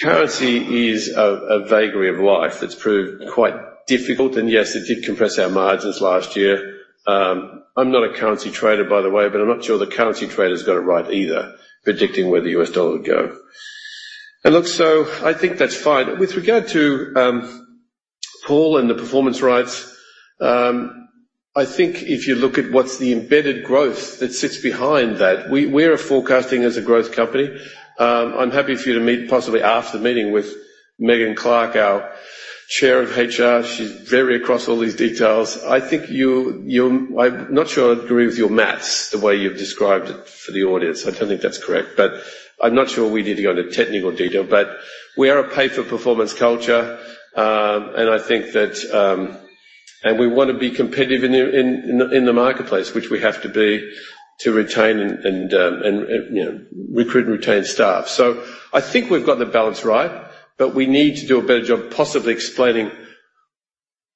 Currency is a vagary of life that's proved quite difficult, and yes, it did compress our margins last year. I'm not a currency trader, by the way, but I'm not sure the currency traders got it right either, predicting where the U.S. dollar would go. And look, so I think that's fine. With regard to Paul and the performance rights, I think if you look at what's the embedded growth that sits behind that, we're forecasting as a growth company. I'm happy for you to meet, possibly after the meeting, with-... Megan Clark, our Chair of HR, she's very across all these details. I think you—I'm not sure I'd agree with your math, the way you've described it for the audience. I don't think that's correct, but I'm not sure we need to go into technical detail. But we are a pay-for-performance culture, and I think that... And we want to be competitive in the marketplace, which we have to be, to retain and, you know, recruit and retain staff. So I think we've got the balance right, but we need to do a better job of possibly explaining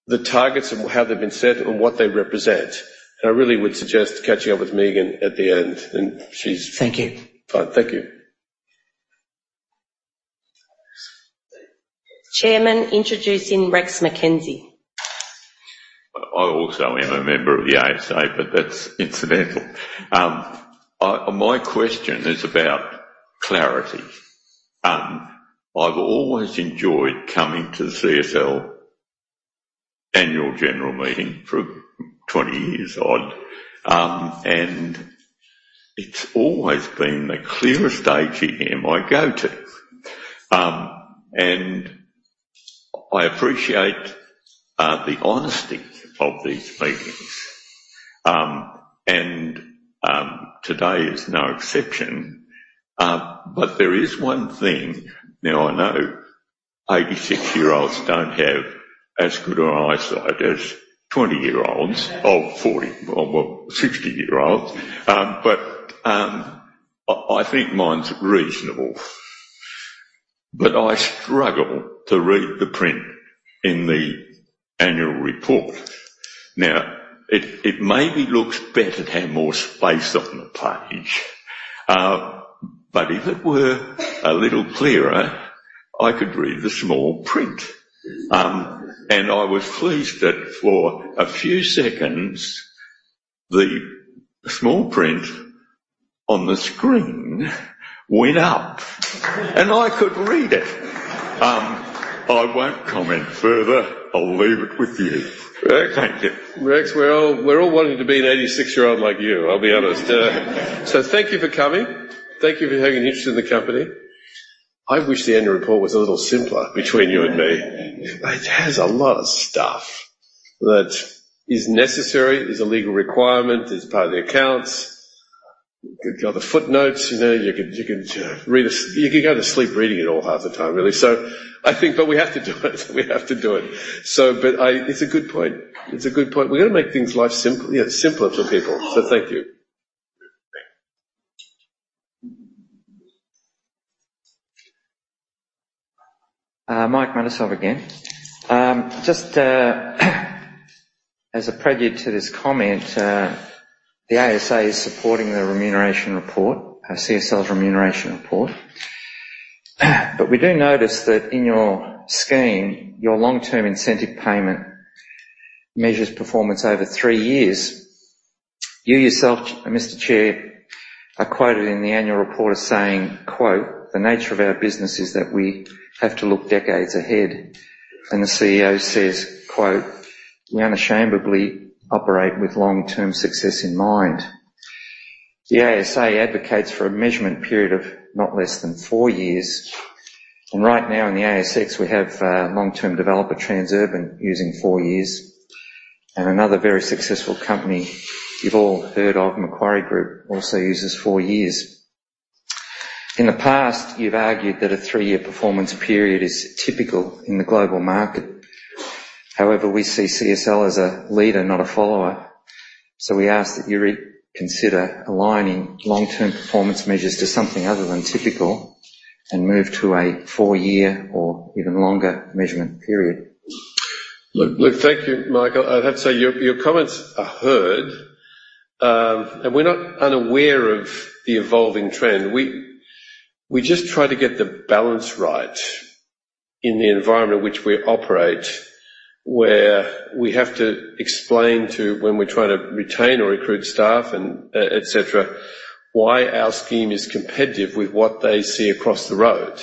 the targets and how they've been set and what they represent. And I really would suggest catching up with Megan at the end, and she's- Thank you. Fine. Thank you. Chairman, introducing Rex McKenzie. I also am a member of the ASA, but that's incidental. My question is about clarity. I've always enjoyed coming to CSL annual general meeting for 20 years odd, and it's always been the clearest AGM I go to. I appreciate the honesty of these meetings. Today is no exception. But there is one thing... Now, I know 86-year-olds don't have as good of eyesight as 20-year-olds—or 40 or, well, 60-year-olds. But I think mine's reasonable, but I struggle to read the print in the annual report. Now, it maybe looks better to have more space on the page, but if it were a little clearer, I could read the small print. I was pleased that for a few seconds, the small print on the screen went up, and I could read it. I won't comment further. I'll leave it with you. Rex- Thank you. Rex, we're all, we're all wanting to be an 86-year-old like you, I'll be honest. So thank you for coming. Thank you for having an interest in the company. I wish the annual report was a little simpler, between you and me. It has a lot of stuff that is necessary, is a legal requirement, it's part of the accounts. You got the footnotes, you know, you could, you could read... You could go to sleep reading it all half the time, really. So I think, but we have to do it. We have to do it. So but I. It's a good point. It's a good point. We've got to make things life simpl-, you know, simpler for people. So thank you. Thank you. Mike Matisoff again. Just, as a prelude to this comment, the ASA is supporting the remuneration report, CSL's remuneration report. But we do notice that in your scheme, your long-term incentive payment measures performance over three years. You yourself, Mr. Chair, are quoted in the annual report as saying, quote, "The nature of our business is that we have to look decades ahead." And the CEO says, quote, "We unashamedly operate with long-term success in mind." The ASA advocates for a measurement period of not less than four years, and right now in the ASX, we have, long-term developer Transurban using four years. And another very successful company you've all heard of, Macquarie Group, also uses four years. In the past, you've argued that a three-year performance period is typical in the global market. However, we see CSL as a leader, not a follower. We ask that you reconsider aligning long-term performance measures to something other than typical and move to a four-year or even longer measurement period. Look, look, thank you, Mike. I'd say your comments are heard. And we're not unaware of the evolving trend. We just try to get the balance right in the environment in which we operate, where we have to explain to when we're trying to retain or recruit staff and, et cetera, why our scheme is competitive with what they see across the road.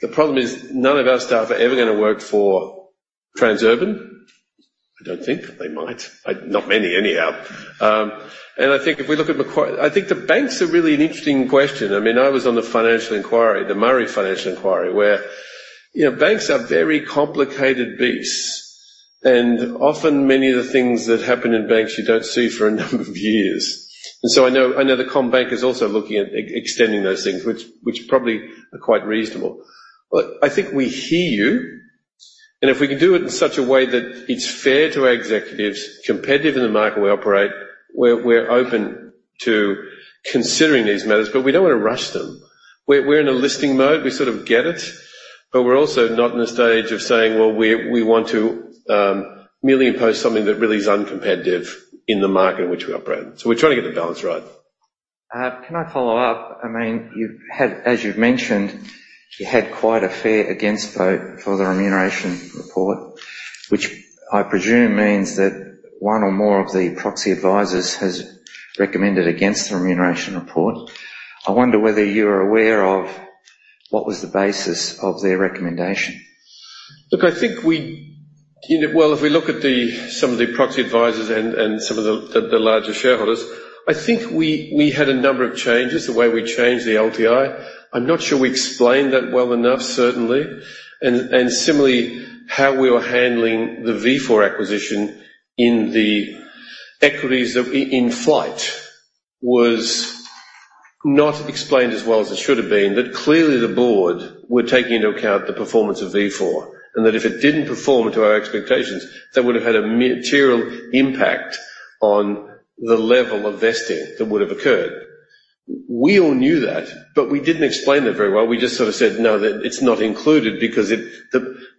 The problem is, none of our staff are ever gonna work for Transurban. I don't think. They might. Not many, anyhow. And I think if we look at Macquarie, I think the banks are really an interesting question. I mean, I was on the financial inquiry, the Murray Financial Inquiry, where, you know, banks are very complicated beasts, and often many of the things that happen in banks, you don't see for a number of years. And so I know, I know the CommBank is also looking at extending those things, which probably are quite reasonable. But I think we hear you, and if we can do it in such a way that it's fair to our executives, competitive in the market we operate, we're open to considering these matters, but we don't want to rush them. We're in a listing mode. We sort of get it, but we're also not in a stage of saying, "Well, we want to merely impose something that really is uncompetitive in the market in which we operate." So we're trying to get the balance right. Can I follow up? I mean, you've had, as you've mentioned, you had quite a fair against vote for the remuneration report, which I presume means that one or more of the proxy advisors has recommended against the remuneration report. I wonder whether you're aware of what was the basis of their recommendation? Look, I think we, you know, well, if we look at some of the proxy advisors and some of the larger shareholders, I think we had a number of changes the way we changed the LTI. I'm not sure we explained that well enough, certainly. And similarly, how we were handling the Vifor acquisition in the equities that we-- in flight was not explained as well as it should have been. That clearly the board were taking into account the performance of Vifor, and that if it didn't perform to our expectations, that would have had a material impact on the level of vesting that would have occurred. We all knew that, but we didn't explain that very well. We just sort of said, "No, that it's not included," because it,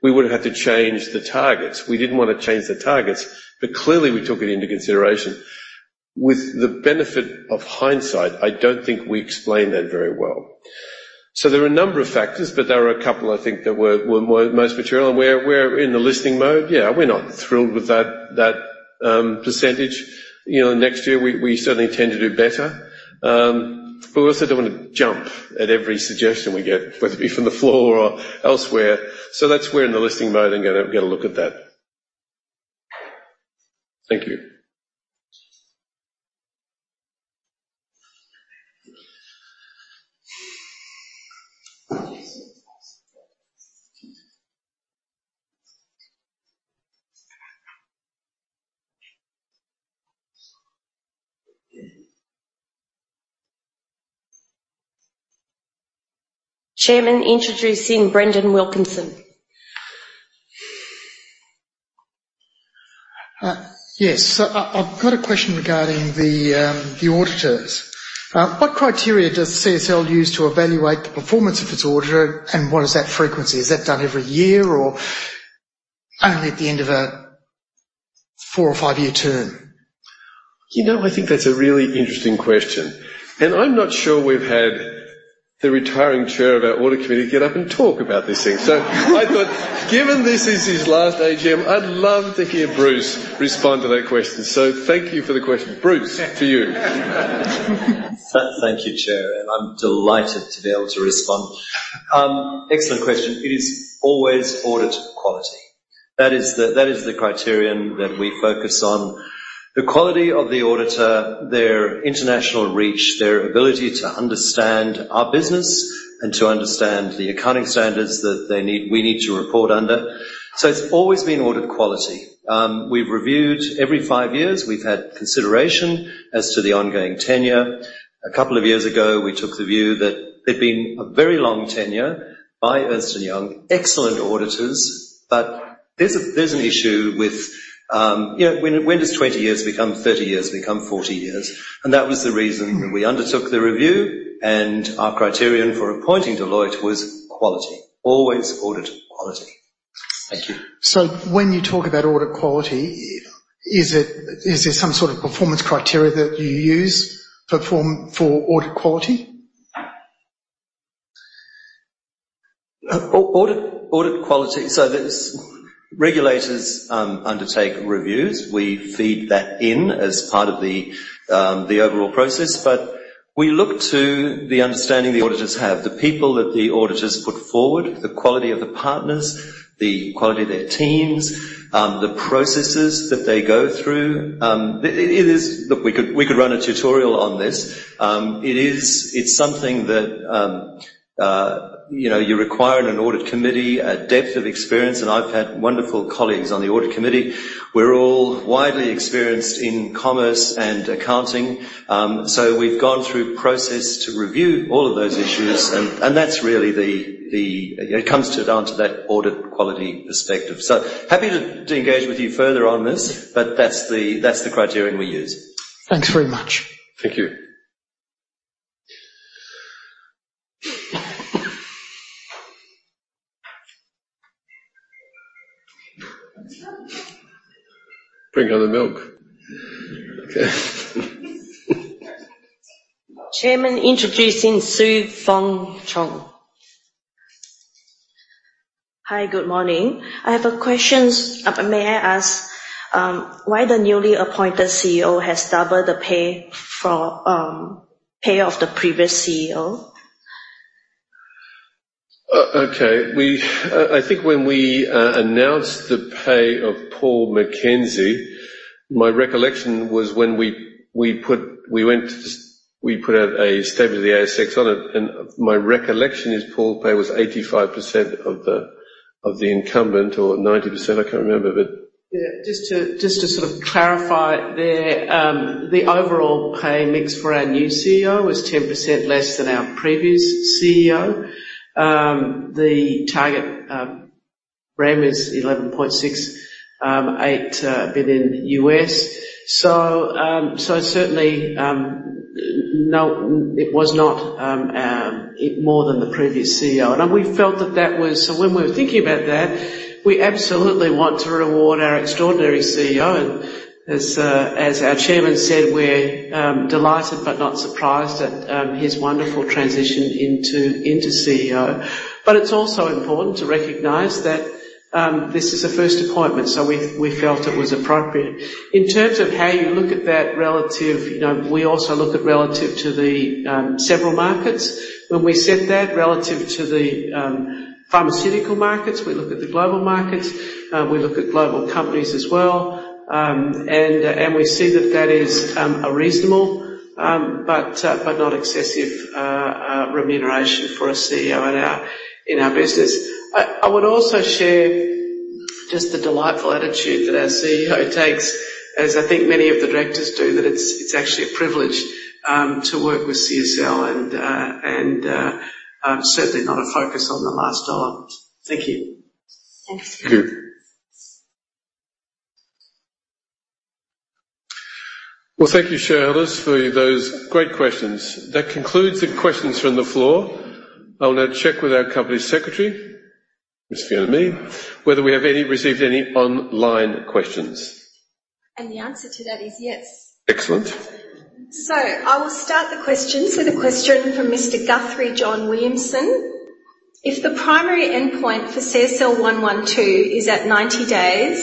we would have had to change the targets. We didn't want to change the targets, but clearly, we took it into consideration. With the benefit of hindsight, I don't think we explained that very well. So there were a number of factors, but there were a couple, I think, that were most material. And we're in the listing mode. Yeah, we're not thrilled with that percentage. You know, next year we certainly intend to do better. But we also don't want to jump at every suggestion we get, whether it be from the floor or elsewhere. So that's we're in the listing mode and gonna get a look at that. Thank you. Chairman introducing Brendan Wilkinson. Yes. So I, I've got a question regarding the, the auditors. What criteria does CSL use to evaluate the performance of its auditor, and what is that frequency? Is that done every year or only at the end of a four- or five-year term? You know, I think that's a really interesting question, and I'm not sure we've had the retiring chair of our audit committee get up and talk about this thing. So I thought, given this is his last AGM, I'd love to hear Bruce respond to that question. So thank you for the question. Bruce, to you. Thank you, Chair, and I'm delighted to be able to respond. Excellent question. It is always audit quality. That is the, that is the criterion that we focus on. The quality of the auditor, their international reach, their ability to understand our business and to understand the accounting standards that they need, we need to report under. So it's always been audit quality. We've reviewed every five years. We've had consideration as to the ongoing tenure. A couple of years ago, we took the view that there'd been a very long tenure by Ernst & Young, excellent auditors, but there's a, there's an issue with, you know, when, when does 20 years become 30 years, become 40 years? And that was the reason we undertook the review, and our criterion for appointing Deloitte was quality. Always audit quality. Thank you. When you talk about audit quality, is it... Is there some sort of performance criteria that you use for form, for audit quality? Audit, audit quality, so there's regulators, undertake reviews. We feed that in as part of the, the overall process, but we look to the understanding the auditors have, the people that the auditors put forward, the quality of the partners, the quality of their teams, the processes that they go through. It is-- Look, we could run a tutorial on this. It is, it's something that, you know, you require in an audit committee, a depth of experience, and I've had wonderful colleagues on the audit committee. We're all widely experienced in commerce and accounting. So we've gone through process to review all of those issues, and that's really the... It comes down to that audit quality perspective. So happy to engage with you further on this, but that's the criterion we use. Thanks very much. Thank you. Bring on the mic. Chairman introducing Su Fong Chong. Hi, good morning. I have a question. May I ask why the newly appointed CEO has doubled the pay for, pay of the previous CEO? I think when we announced the pay of Paul McKenzie, my recollection was when we put out a statement to the ASX on it, and my recollection is Paul's pay was 85% of the incumbent, or 90%, I can't remember, but- Yeah, just to, just to sort of clarify there, the overall pay mix for our new CEO was 10% less than our previous CEO. The target rem is $11.68 billion. So, so certainly, no, it was not, it more than the previous CEO. And we felt that that was. So when we were thinking about that, we absolutely want to reward our extraordinary CEO, and as, as our chairman said, we're delighted but not surprised at his wonderful transition into, into CEO. But it's also important to recognize that, this is a first appointment, so we, we felt it was appropriate. In terms of how you look at that relative, you know, we also looked at relative to the, several markets. When we set that relative to the pharmaceutical markets, we look at the global markets, we look at global companies as well, and we see that that is a reasonable but not excessive remuneration for a CEO in our business. I would also share just the delightful attitude that our CEO takes, as I think many of the directors do, that it's actually a privilege to work with CSL and certainly not a focus on the last dollar. Thank you. Thanks. Thank you. Well, thank you, shareholders, for those great questions. That concludes the questions from the floor. I'll now check with our company secretary, Ms. Fiona Mead, whether we have received any online questions. The answer to that is yes. Excellent. I will start the questions with a question from Mr. Guthrie John Williamson: If the primary endpoint for CSL 112 is at 90 days,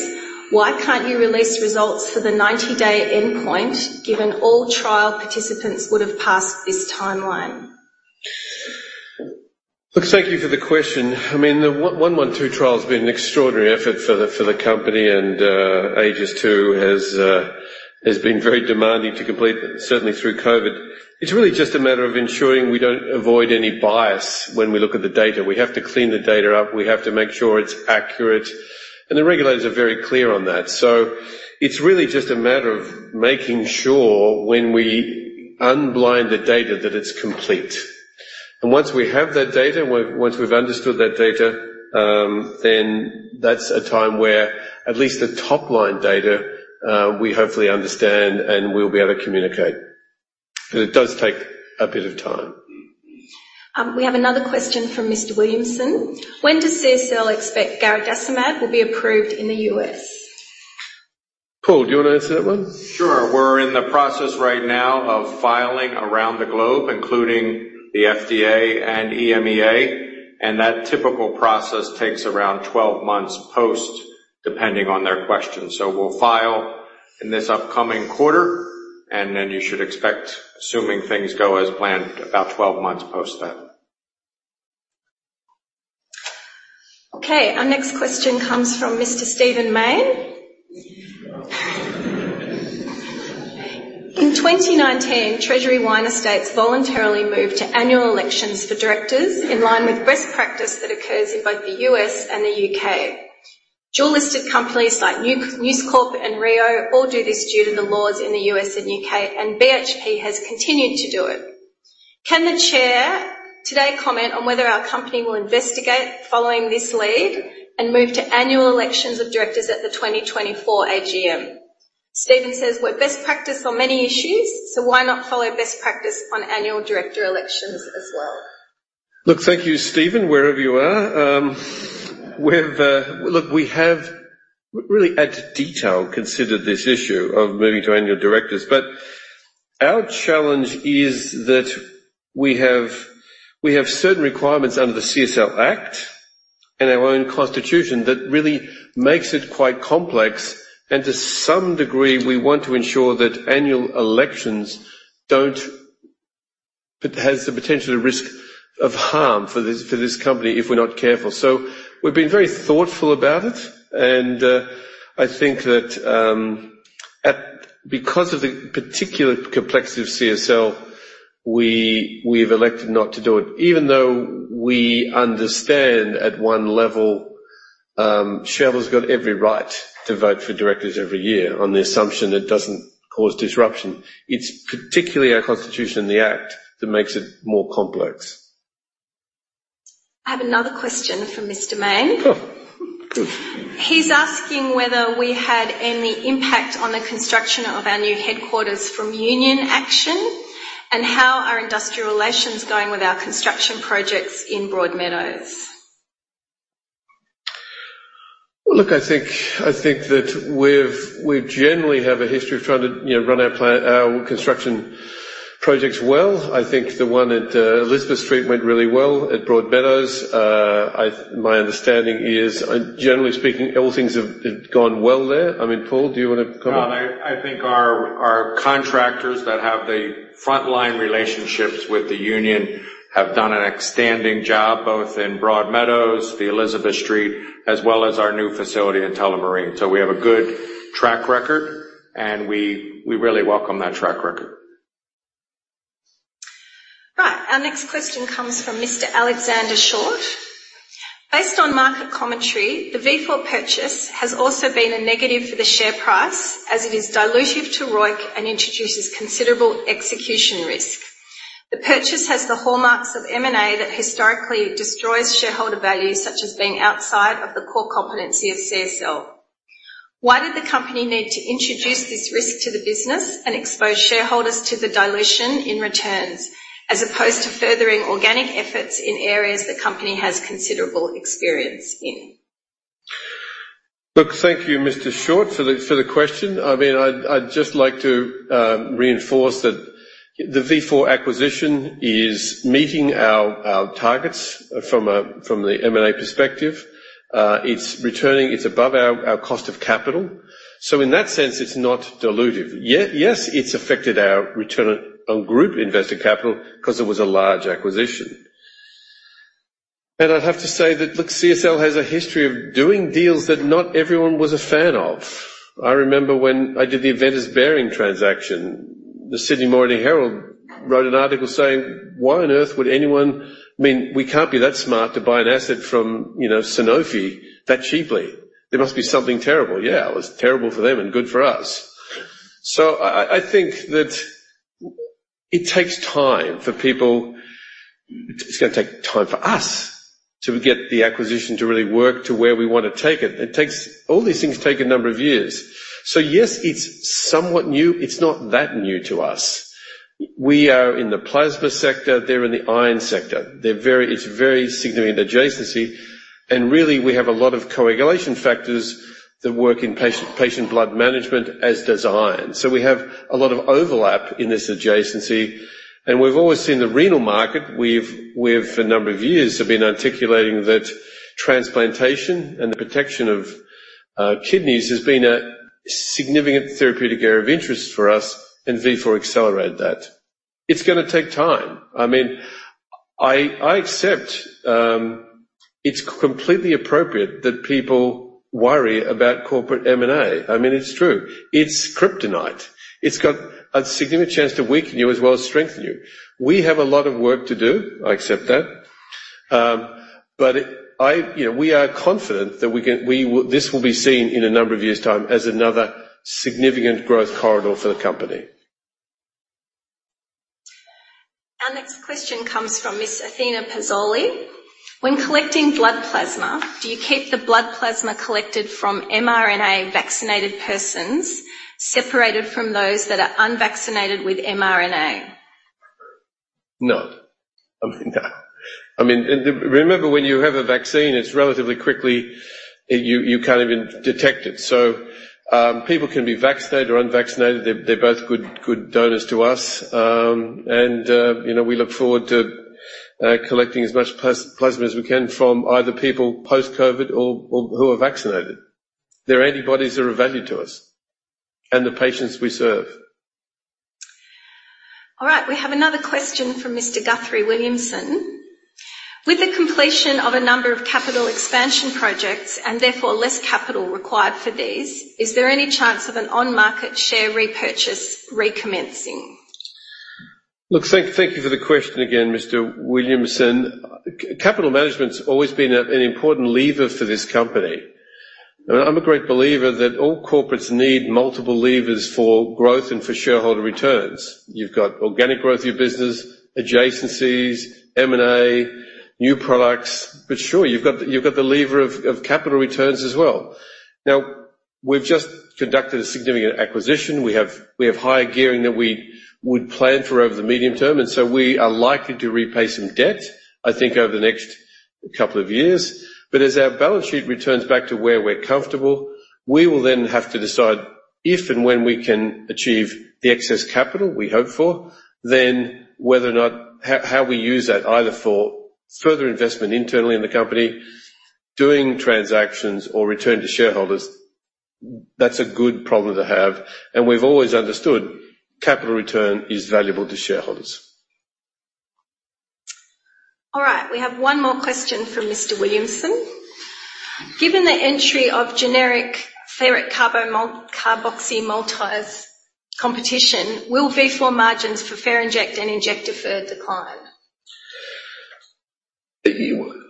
why can't you release results for the 90-day endpoint, given all trial participants would have passed this timeline? Look, thank you for the question. I mean, the CSL112 trial has been an extraordinary effort for the, for the company and, AEGIS II has been very demanding to complete, certainly through COVID. It's really just a matter of ensuring we don't avoid any bias when we look at the data. We have to clean the data up. We have to make sure it's accurate, and the regulators are very clear on that. So it's really just a matter of making sure when we unblind the data, that it's complete. And once we have that data, once we've understood that data, then that's a time where at least the top-line data, we hopefully understand and we'll be able to communicate, but it does take a bit of time. We have another question from Mr. Williamson: When does CSL expect garadacimab will be approved in the U.S.? Paul, do you want to answer that one? Sure. We're in the process right now of filing around the globe, including the FDA and EMEA, and that typical process takes around 12 months post, depending on their questions. So we'll file in this upcoming quarter, and then you should expect, assuming things go as planned, about 12 months post that. Okay, our next question comes from Mr. Steven Mayne. In 2019, Treasury Wine Estates voluntarily moved to annual elections for directors in line with best practice that occurs in both the U.S. and the U.K. Dual-listed companies like News Corp and Rio all do this due to the laws in the U.S. and U.K., and BHP has continued to do it. Can the Chair today comment on whether our company will investigate following this lead and move to annual elections of directors at the 2024 AGM? Steven says, "We're best practice on many issues, so why not follow best practice on annual director elections as well? Thank you, Steven, wherever you are. We've really, at detail, considered this issue of moving to annual directors, but our challenge is that we have certain requirements under the CSL Act and our own constitution that really makes it quite complex. To some degree, we want to ensure that annual elections don't—but has the potential risk of harm for this, for this company, if we're not careful. We've been very thoughtful about it, and I think that, because of the particular complexity of CSL, we've elected not to do it, even though we understand at one level, shareholders got every right to vote for directors every year on the assumption it doesn't cause disruption. It's particularly our constitution and the act that makes it more complex. I have another question from Mr. Mayne. Oh. He's asking whether we had any impact on the construction of our new headquarters from union action, and how are industrial relations going with our construction projects in Broadmeadows? Well, look, I think that we've generally have a history of trying to, you know, run our plan, our construction projects well. I think the one at Elizabeth Street went really well at Broadmeadows. My understanding is, generally speaking, all things have gone well there. I mean, Paul, do you want to comment? I think our contractors that have the frontline relationships with the union have done an outstanding job, both in Broadmeadows, the Elizabeth Street, as well as our new facility in Tullamarine. So we have a good track record, and we really welcome that track record. Right. Our next question comes from Mr. Alexander Short: Based on market commentary, the Vifor purchase has also been a negative for the share price, as it is dilutive to ROIC and introduces considerable execution risk. The purchase has the hallmarks of M&A that historically destroys shareholder value, such as being outside of the core competency of CSL. Why did the company need to introduce this risk to the business and expose shareholders to the dilution in returns, as opposed to furthering organic efforts in areas the company has considerable experience in? Look, thank you, Mr. Short, for the question. I mean, I'd just like to reinforce that the Vifor acquisition is meeting our targets from the M&A perspective. It's returning, it's above our cost of capital. So in that sense, it's not dilutive. Yes, it's affected our return on group invested capital because it was a large acquisition. And I'd have to say that, look, CSL has a history of doing deals that not everyone was a fan of. I remember when I did the Aventis Behring transaction. The Sydney Morning Herald wrote an article saying: "Why on earth would anyone, I mean, we can't be that smart to buy an asset from, you know, Sanofi that cheaply. There must be something terrible." Yeah, it was terrible for them and good for us. So I think that it takes time for people. It's gonna take time for us to get the acquisition to really work to where we want to take it. It takes, all these things take a number of years. So yes, it's somewhat new. It's not that new to us. We are in the plasma sector. They're in the iron sector. It's very significant adjacency, and really, we have a lot of coagulation factors that work in patient blood management, as does iron. So we have a lot of overlap in this adjacency, and we've always seen the renal market. We've, for a number of years, have been articulating that transplantation and the protection of kidneys has been a significant therapeutic area of interest for us, and Vifor accelerated that. It's gonna take time. I mean, I accept it's completely appropriate that people worry about corporate M&A. I mean, it's true. It's kryptonite. It's got a significant chance to weaken you as well as strengthen you. We have a lot of work to do. I accept that. But you know, we are confident that we can - we will - this will be seen in a number of years' time as another significant growth corridor for the company. Our next question comes from Miss Athena Pazzolli: When collecting blood plasma, do you keep the blood plasma collected from mRNA-vaccinated persons separated from those that are unvaccinated with mRNA? No. I mean, no. I mean, remember, when you have a vaccine, it's relatively quickly, you can't even detect it. So, people can be vaccinated or unvaccinated. They're both good donors to us. And, you know, we look forward to collecting as much plasma as we can from either people post-COVID or who are vaccinated. Their antibodies are of value to us and the patients we serve. All right, we have another question from Mr. Guthrie Williamson: With the completion of a number of capital expansion projects, and therefore less capital required for these, is there any chance of an on-market share repurchase recommencing? Look, thank you for the question again, Mr. Williamson. Capital management's always been an important lever for this company, and I'm a great believer that all corporates need multiple levers for growth and for shareholder returns. You've got organic growth of your business, adjacencies, M&A, new products, but sure, you've got the lever of capital returns as well. Now, we've just conducted a significant acquisition. We have higher gearing than we would plan for over the medium term, and so we are likely to repay some debt, I think, over the next couple of years. But as our balance sheet returns back to where we're comfortable, we will then have to decide if and when we can achieve the excess capital we hope for, then whether or not... how we use that, either for further investment internally in the company, doing transactions or return to shareholders. That's a good problem to have, and we've always understood capital return is valuable to shareholders. All right, we have one more question from Mr. Williamson: Given the entry of generic ferric carboxymaltose competition, will Vifor margins for Ferinject and Injectafer decline?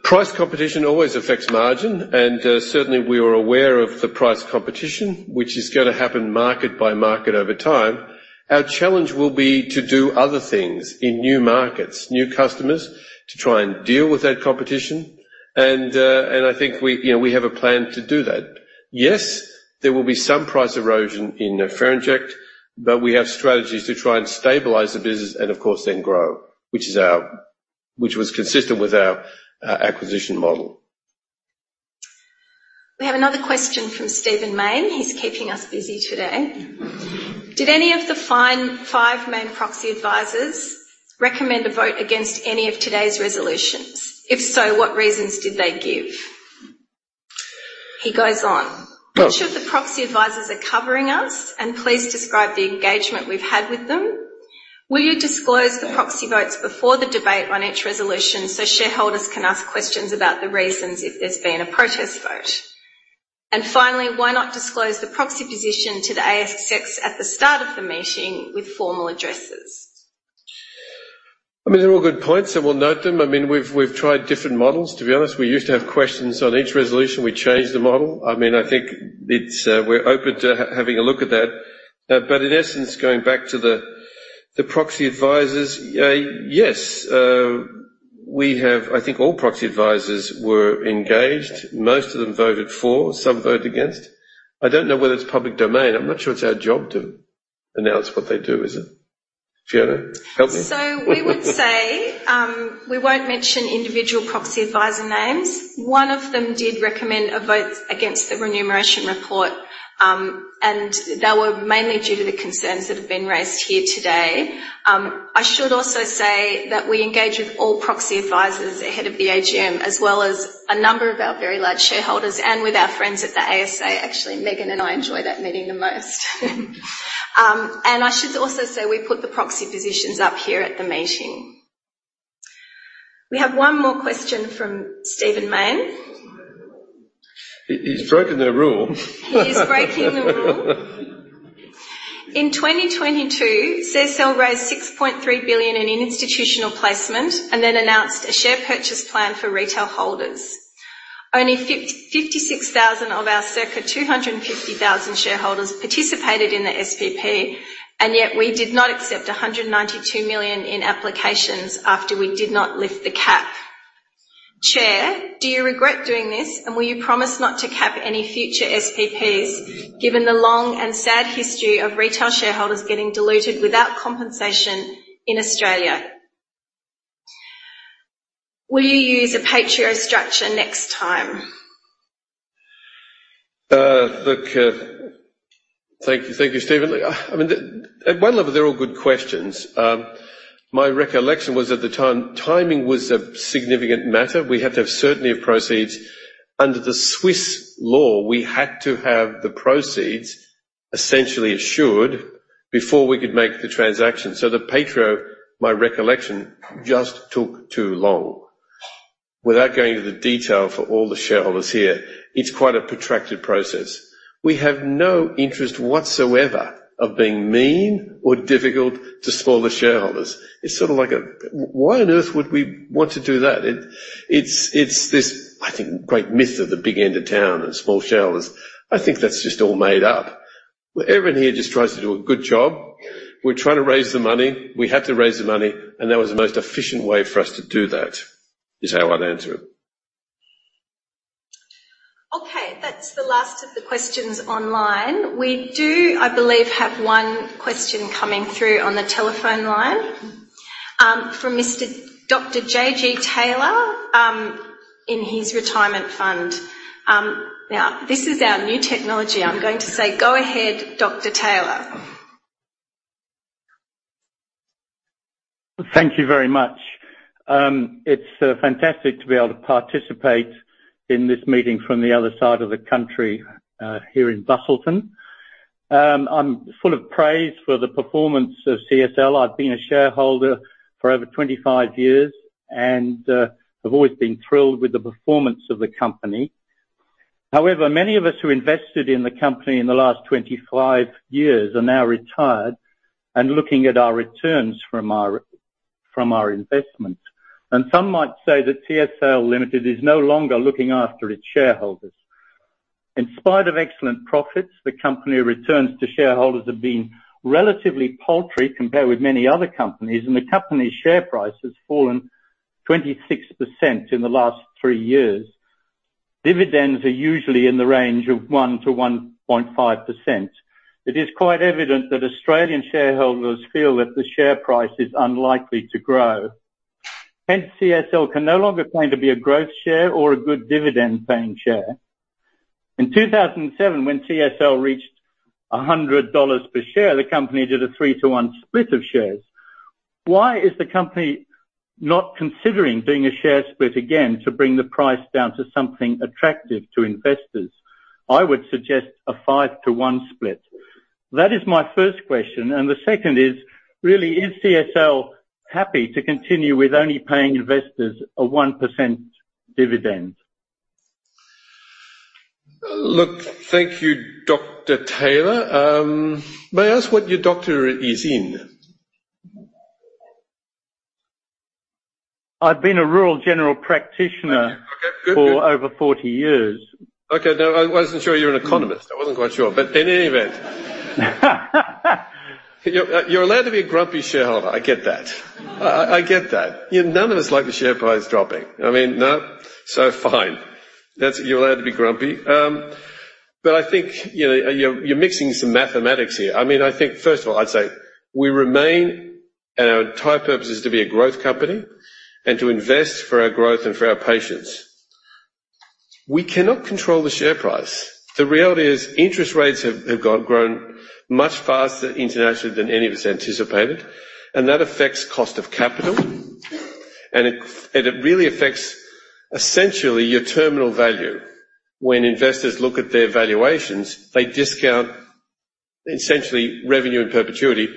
Price competition always affects margin, and, certainly, we are aware of the price competition, which is gonna happen market by market over time. Our challenge will be to do other things in new markets, new customers, to try and deal with that competition. And, and I think we, you know, we have a plan to do that. Yes, there will be some price erosion in, Ferinject, but we have strategies to try and stabilize the business and, of course, then grow, which is our-- which was consistent with our, acquisition model. We have another question from Steven Mayne. He's keeping us busy today. Did any of the five main proxy advisors recommend a vote against any of today's resolutions? If so, what reasons did they give? He goes on. Well- Which of the proxy advisors are covering us, and please describe the engagement we've had with them? Will you disclose the proxy votes before the debate on each resolution, so shareholders can ask questions about the reasons if there's been a protest vote? And finally, why not disclose the proxy position to the ASX at the start of the meeting with formal addresses? I mean, they're all good points, and we'll note them. I mean, we've tried different models, to be honest. We used to have questions on each resolution. We changed the model. I mean, I think it's, we're open to having a look at that. But in essence, going back to the proxy advisors, yes, we have... I think all proxy advisors were engaged. Most of them voted for, some voted against. I don't know whether it's public domain. I'm not sure it's our job to announce what they do, is it? Fiona, help me. We would say, we won't mention individual proxy advisor names. One of them did recommend a vote against the remuneration report, and they were mainly due to the concerns that have been raised here today. I should also say that we engage with all proxy advisors ahead of the AGM, as well as a number of our very large shareholders and with our friends at the ASA. Actually, Megan and I enjoy that meeting the most. I should also say, we put the proxy positions up here at the meeting.... We have one more question from Steven Mayne. He's broken the rule. He is breaking the rule. In 2022, CSL raised $6.3 billion in institutional placement and then announced a share purchase plan for retail holders. Only fifty-six thousand of our circa two hundred and fifty thousand shareholders participated in the SPP, and yet we did not accept a hundred and ninety-two million in applications after we did not lift the cap. Chair, do you regret doing this, and will you promise not to cap any future SPPs, given the long and sad history of retail shareholders getting diluted without compensation in Australia? Will you use a PAITREO structure next time? Look, thank you. Thank you, Steven. I mean, at one level, they're all good questions. My recollection was, at the time, timing was a significant matter. We had to have certainty of proceeds. Under the Swiss law, we had to have the proceeds essentially assured before we could make the transaction. So the PAITREO, my recollection, just took too long. Without going into the detail for all the shareholders here, it's quite a protracted process. We have no interest whatsoever of being mean or difficult to smaller shareholders. It's sort of like a... Why on earth would we want to do that? It's this, I think, great myth of the big end of town and small shareholders. I think that's just all made up. Everyone here just tries to do a good job. We're trying to raise the money. We had to raise the money, and that was the most efficient way for us to do that, is how I'd answer it. Okay, that's the last of the questions online. We do, I believe, have one question coming through on the telephone line from Dr. JG Taylor in his retirement fund. Now this is our new technology. I'm going to say, go ahead, Dr. Taylor. Thank you very much. It's fantastic to be able to participate in this meeting from the other side of the country, here in Busselton. I'm full of praise for the performance of CSL. I've been a shareholder for over 25 years, and I've always been thrilled with the performance of the company. However, many of us who invested in the company in the last 25 years are now retired and looking at our returns from our, from our investments, and some might say that CSL Limited is no longer looking after its shareholders. In spite of excellent profits, the company returns to shareholders have been relatively paltry compared with many other companies, and the company's share price has fallen 26% in the last 3 years. Dividends are usually in the range of 1%-1.5%. It is quite evident that Australian shareholders feel that the share price is unlikely to grow. Hence, CSL can no longer claim to be a growth share or a good dividend-paying share. In 2007, when CSL reached 100 dollars per share, the company did a 3-to-1 split of shares. Why is the company not considering doing a share split again to bring the price down to something attractive to investors? I would suggest a 5-to-1 split. That is my first question, and the second is: really, is CSL happy to continue with only paying investors a 1% dividend? Look, thank you, Dr. Taylor. May I ask what your doctorate is in? I've been a rural general practitioner- Okay, okay, good, good. for over 40 years. Okay, no, I wasn't sure you were an economist. I wasn't quite sure. But in any event. You're allowed to be a grumpy shareholder. I get that. I get that. You know, none of us like the share price dropping. I mean, no, so fine. That's. You're allowed to be grumpy. But I think, you know, you're mixing some mathematics here. I mean, I think first of all, I'd say we remain and our entire purpose is to be a growth company and to invest for our growth and for our patients. We cannot control the share price. The reality is interest rates have grown much faster internationally than any of us anticipated, and that affects cost of capital, and it really affects, essentially, your terminal value. When investors look at their valuations, they discount, essentially, revenue and perpetuity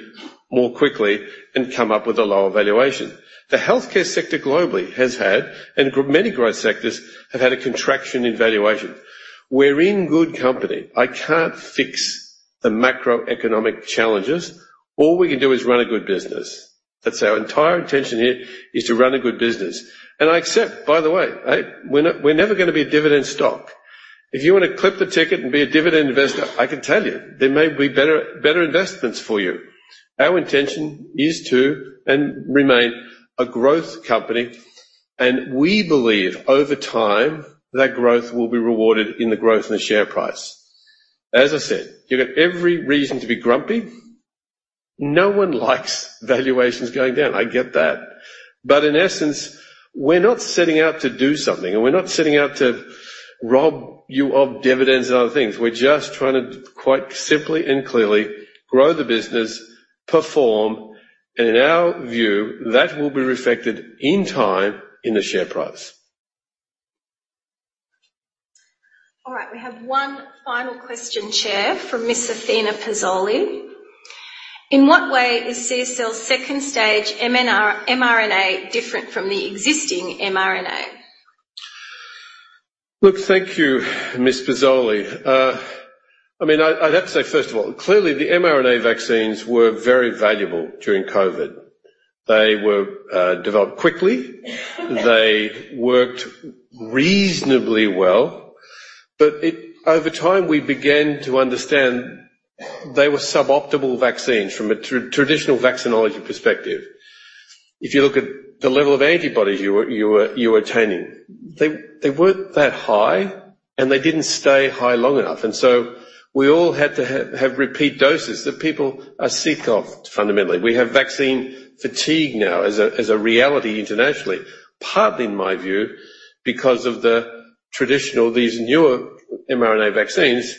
more quickly and come up with a lower valuation. The healthcare sector globally has had, and many growth sectors, have had a contraction in valuation. We're in good company. I can't fix the macroeconomic challenges. All we can do is run a good business. That's our entire intention here, is to run a good business. And I accept, by the way, we're never gonna be a dividend stock. If you want to clip the ticket and be a dividend investor, I can tell you there may be better, better investments for you. Our intention is to and remain a growth company, and we believe over time, that growth will be rewarded in the growth in the share price. As I said, you've got every reason to be grumpy. No one likes valuations going down. I get that. But in essence, we're not setting out to do something, and we're not setting out to rob you of dividends and other things. We're just trying to, quite simply and clearly, grow the business, perform, and in our view, that will be reflected in time in the share price. ... All right, we have one final question, Chair, from Miss Athena Pizzolli. In what way is CSL's second-stage mRNA different from the existing mRNA? Look, thank you, Miss Pizzoli. I mean, I'd have to say, first of all, clearly, the mRNA vaccines were very valuable during COVID. They were developed quickly. They worked reasonably well, but it—over time, we began to understand they were sub-optimal vaccines from a traditional vaccinology perspective. If you look at the level of antibodies you were attaining, they weren't that high, and they didn't stay high long enough, and so we all had to have repeat doses that people are sick of, fundamentally. We have vaccine fatigue now as a reality internationally, partly in my view, because of the traditional, these newer mRNA vaccines.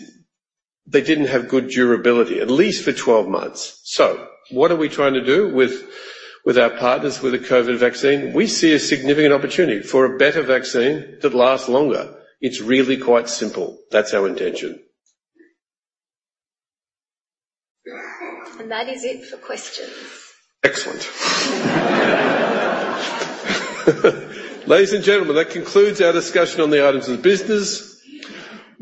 They didn't have good durability, at least for twelve months. So what are we trying to do with our partners, with the COVID vaccine? We see a significant opportunity for a better vaccine that lasts longer. It's really quite simple. That's our intention. That is it for questions. Excellent. Ladies and gentlemen, that concludes our discussion on the items of business.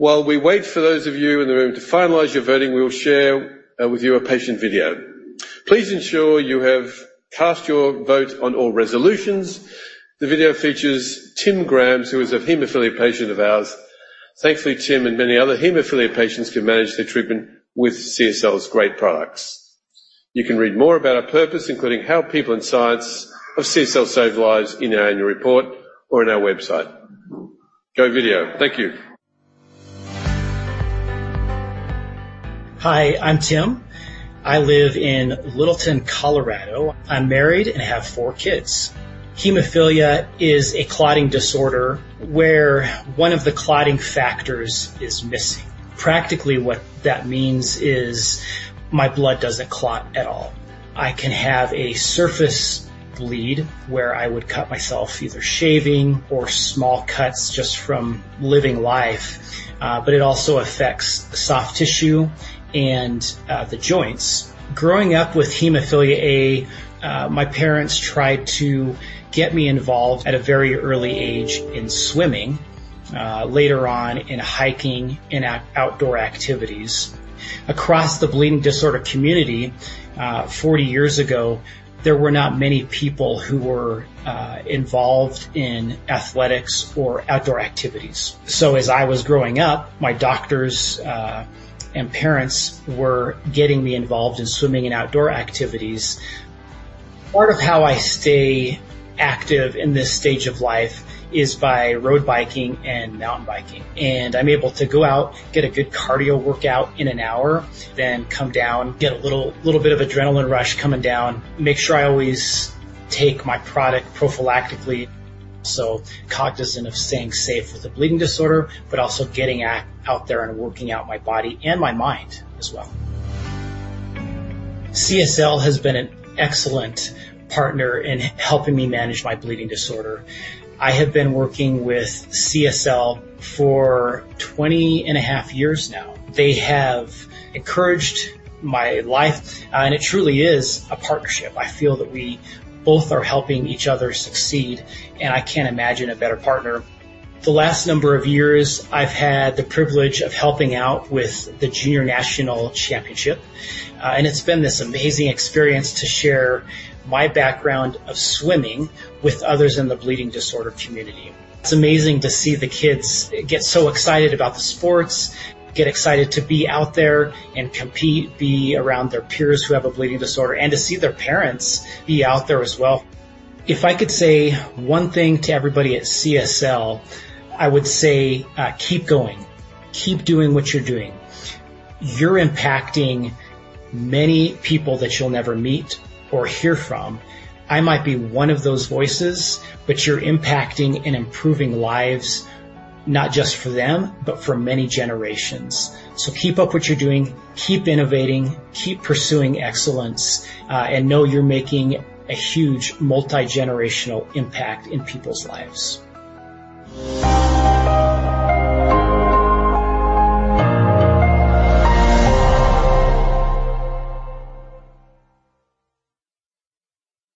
While we wait for those of you in the room to finalize your voting, we will share with you a patient video. Please ensure you have cast your vote on all resolutions. The video features Tim Grams, who is a hemophilia patient of ours. Thankfully, Tim and many other hemophilia patients can manage their treatment with CSL's great products. You can read more about our purpose, including how people and science of CSL save lives, in our annual report or on our website. Go, video. Thank you. Hi, I'm Tim. I live in Littleton, Colorado. I'm married and have four kids. Hemophilia is a clotting disorder where one of the clotting factors is missing. Practically, what that means is my blood doesn't clot at all. I can have a surface bleed where I would cut myself, either shaving or small cuts just from living life, but it also affects the soft tissue and the joints. Growing up with hemophilia A, my parents tried to get me involved at a very early age in swimming, later on in hiking and outdoor activities. Across the bleeding disorder community, 40 years ago, there were not many people who were involved in athletics or outdoor activities. So as I was growing up, my doctors and parents were getting me involved in swimming and outdoor activities. Part of how I stay active in this stage of life is by road biking and mountain biking, and I'm able to go out, get a good cardio workout in an hour, then come down, get a little bit of adrenaline rush coming down. Make sure I always take my product prophylactically, so cognizant of staying safe with a bleeding disorder, but also getting out there and working out my body and my mind as well. CSL has been an excellent partner in helping me manage my bleeding disorder. I have been working with CSL for 20 and a half years now. They have encouraged my life, and it truly is a partnership. I feel that we both are helping each other succeed, and I can't imagine a better partner. The last number of years, I've had the privilege of helping out with the Junior National Championship, and it's been this amazing experience to share my background of swimming with others in the bleeding disorder community. It's amazing to see the kids get so excited about the sports, get excited to be out there and compete, be around their peers who have a bleeding disorder, and to see their parents be out there as well. If I could say one thing to everybody at CSL, I would say, "Keep going. Keep doing what you're doing. You're impacting many people that you'll never meet or hear from. I might be one of those voices, but you're impacting and improving lives, not just for them, but for many generations. So keep up what you're doing, keep innovating, keep pursuing excellence, and know you're making a huge multi-generational impact in people's lives.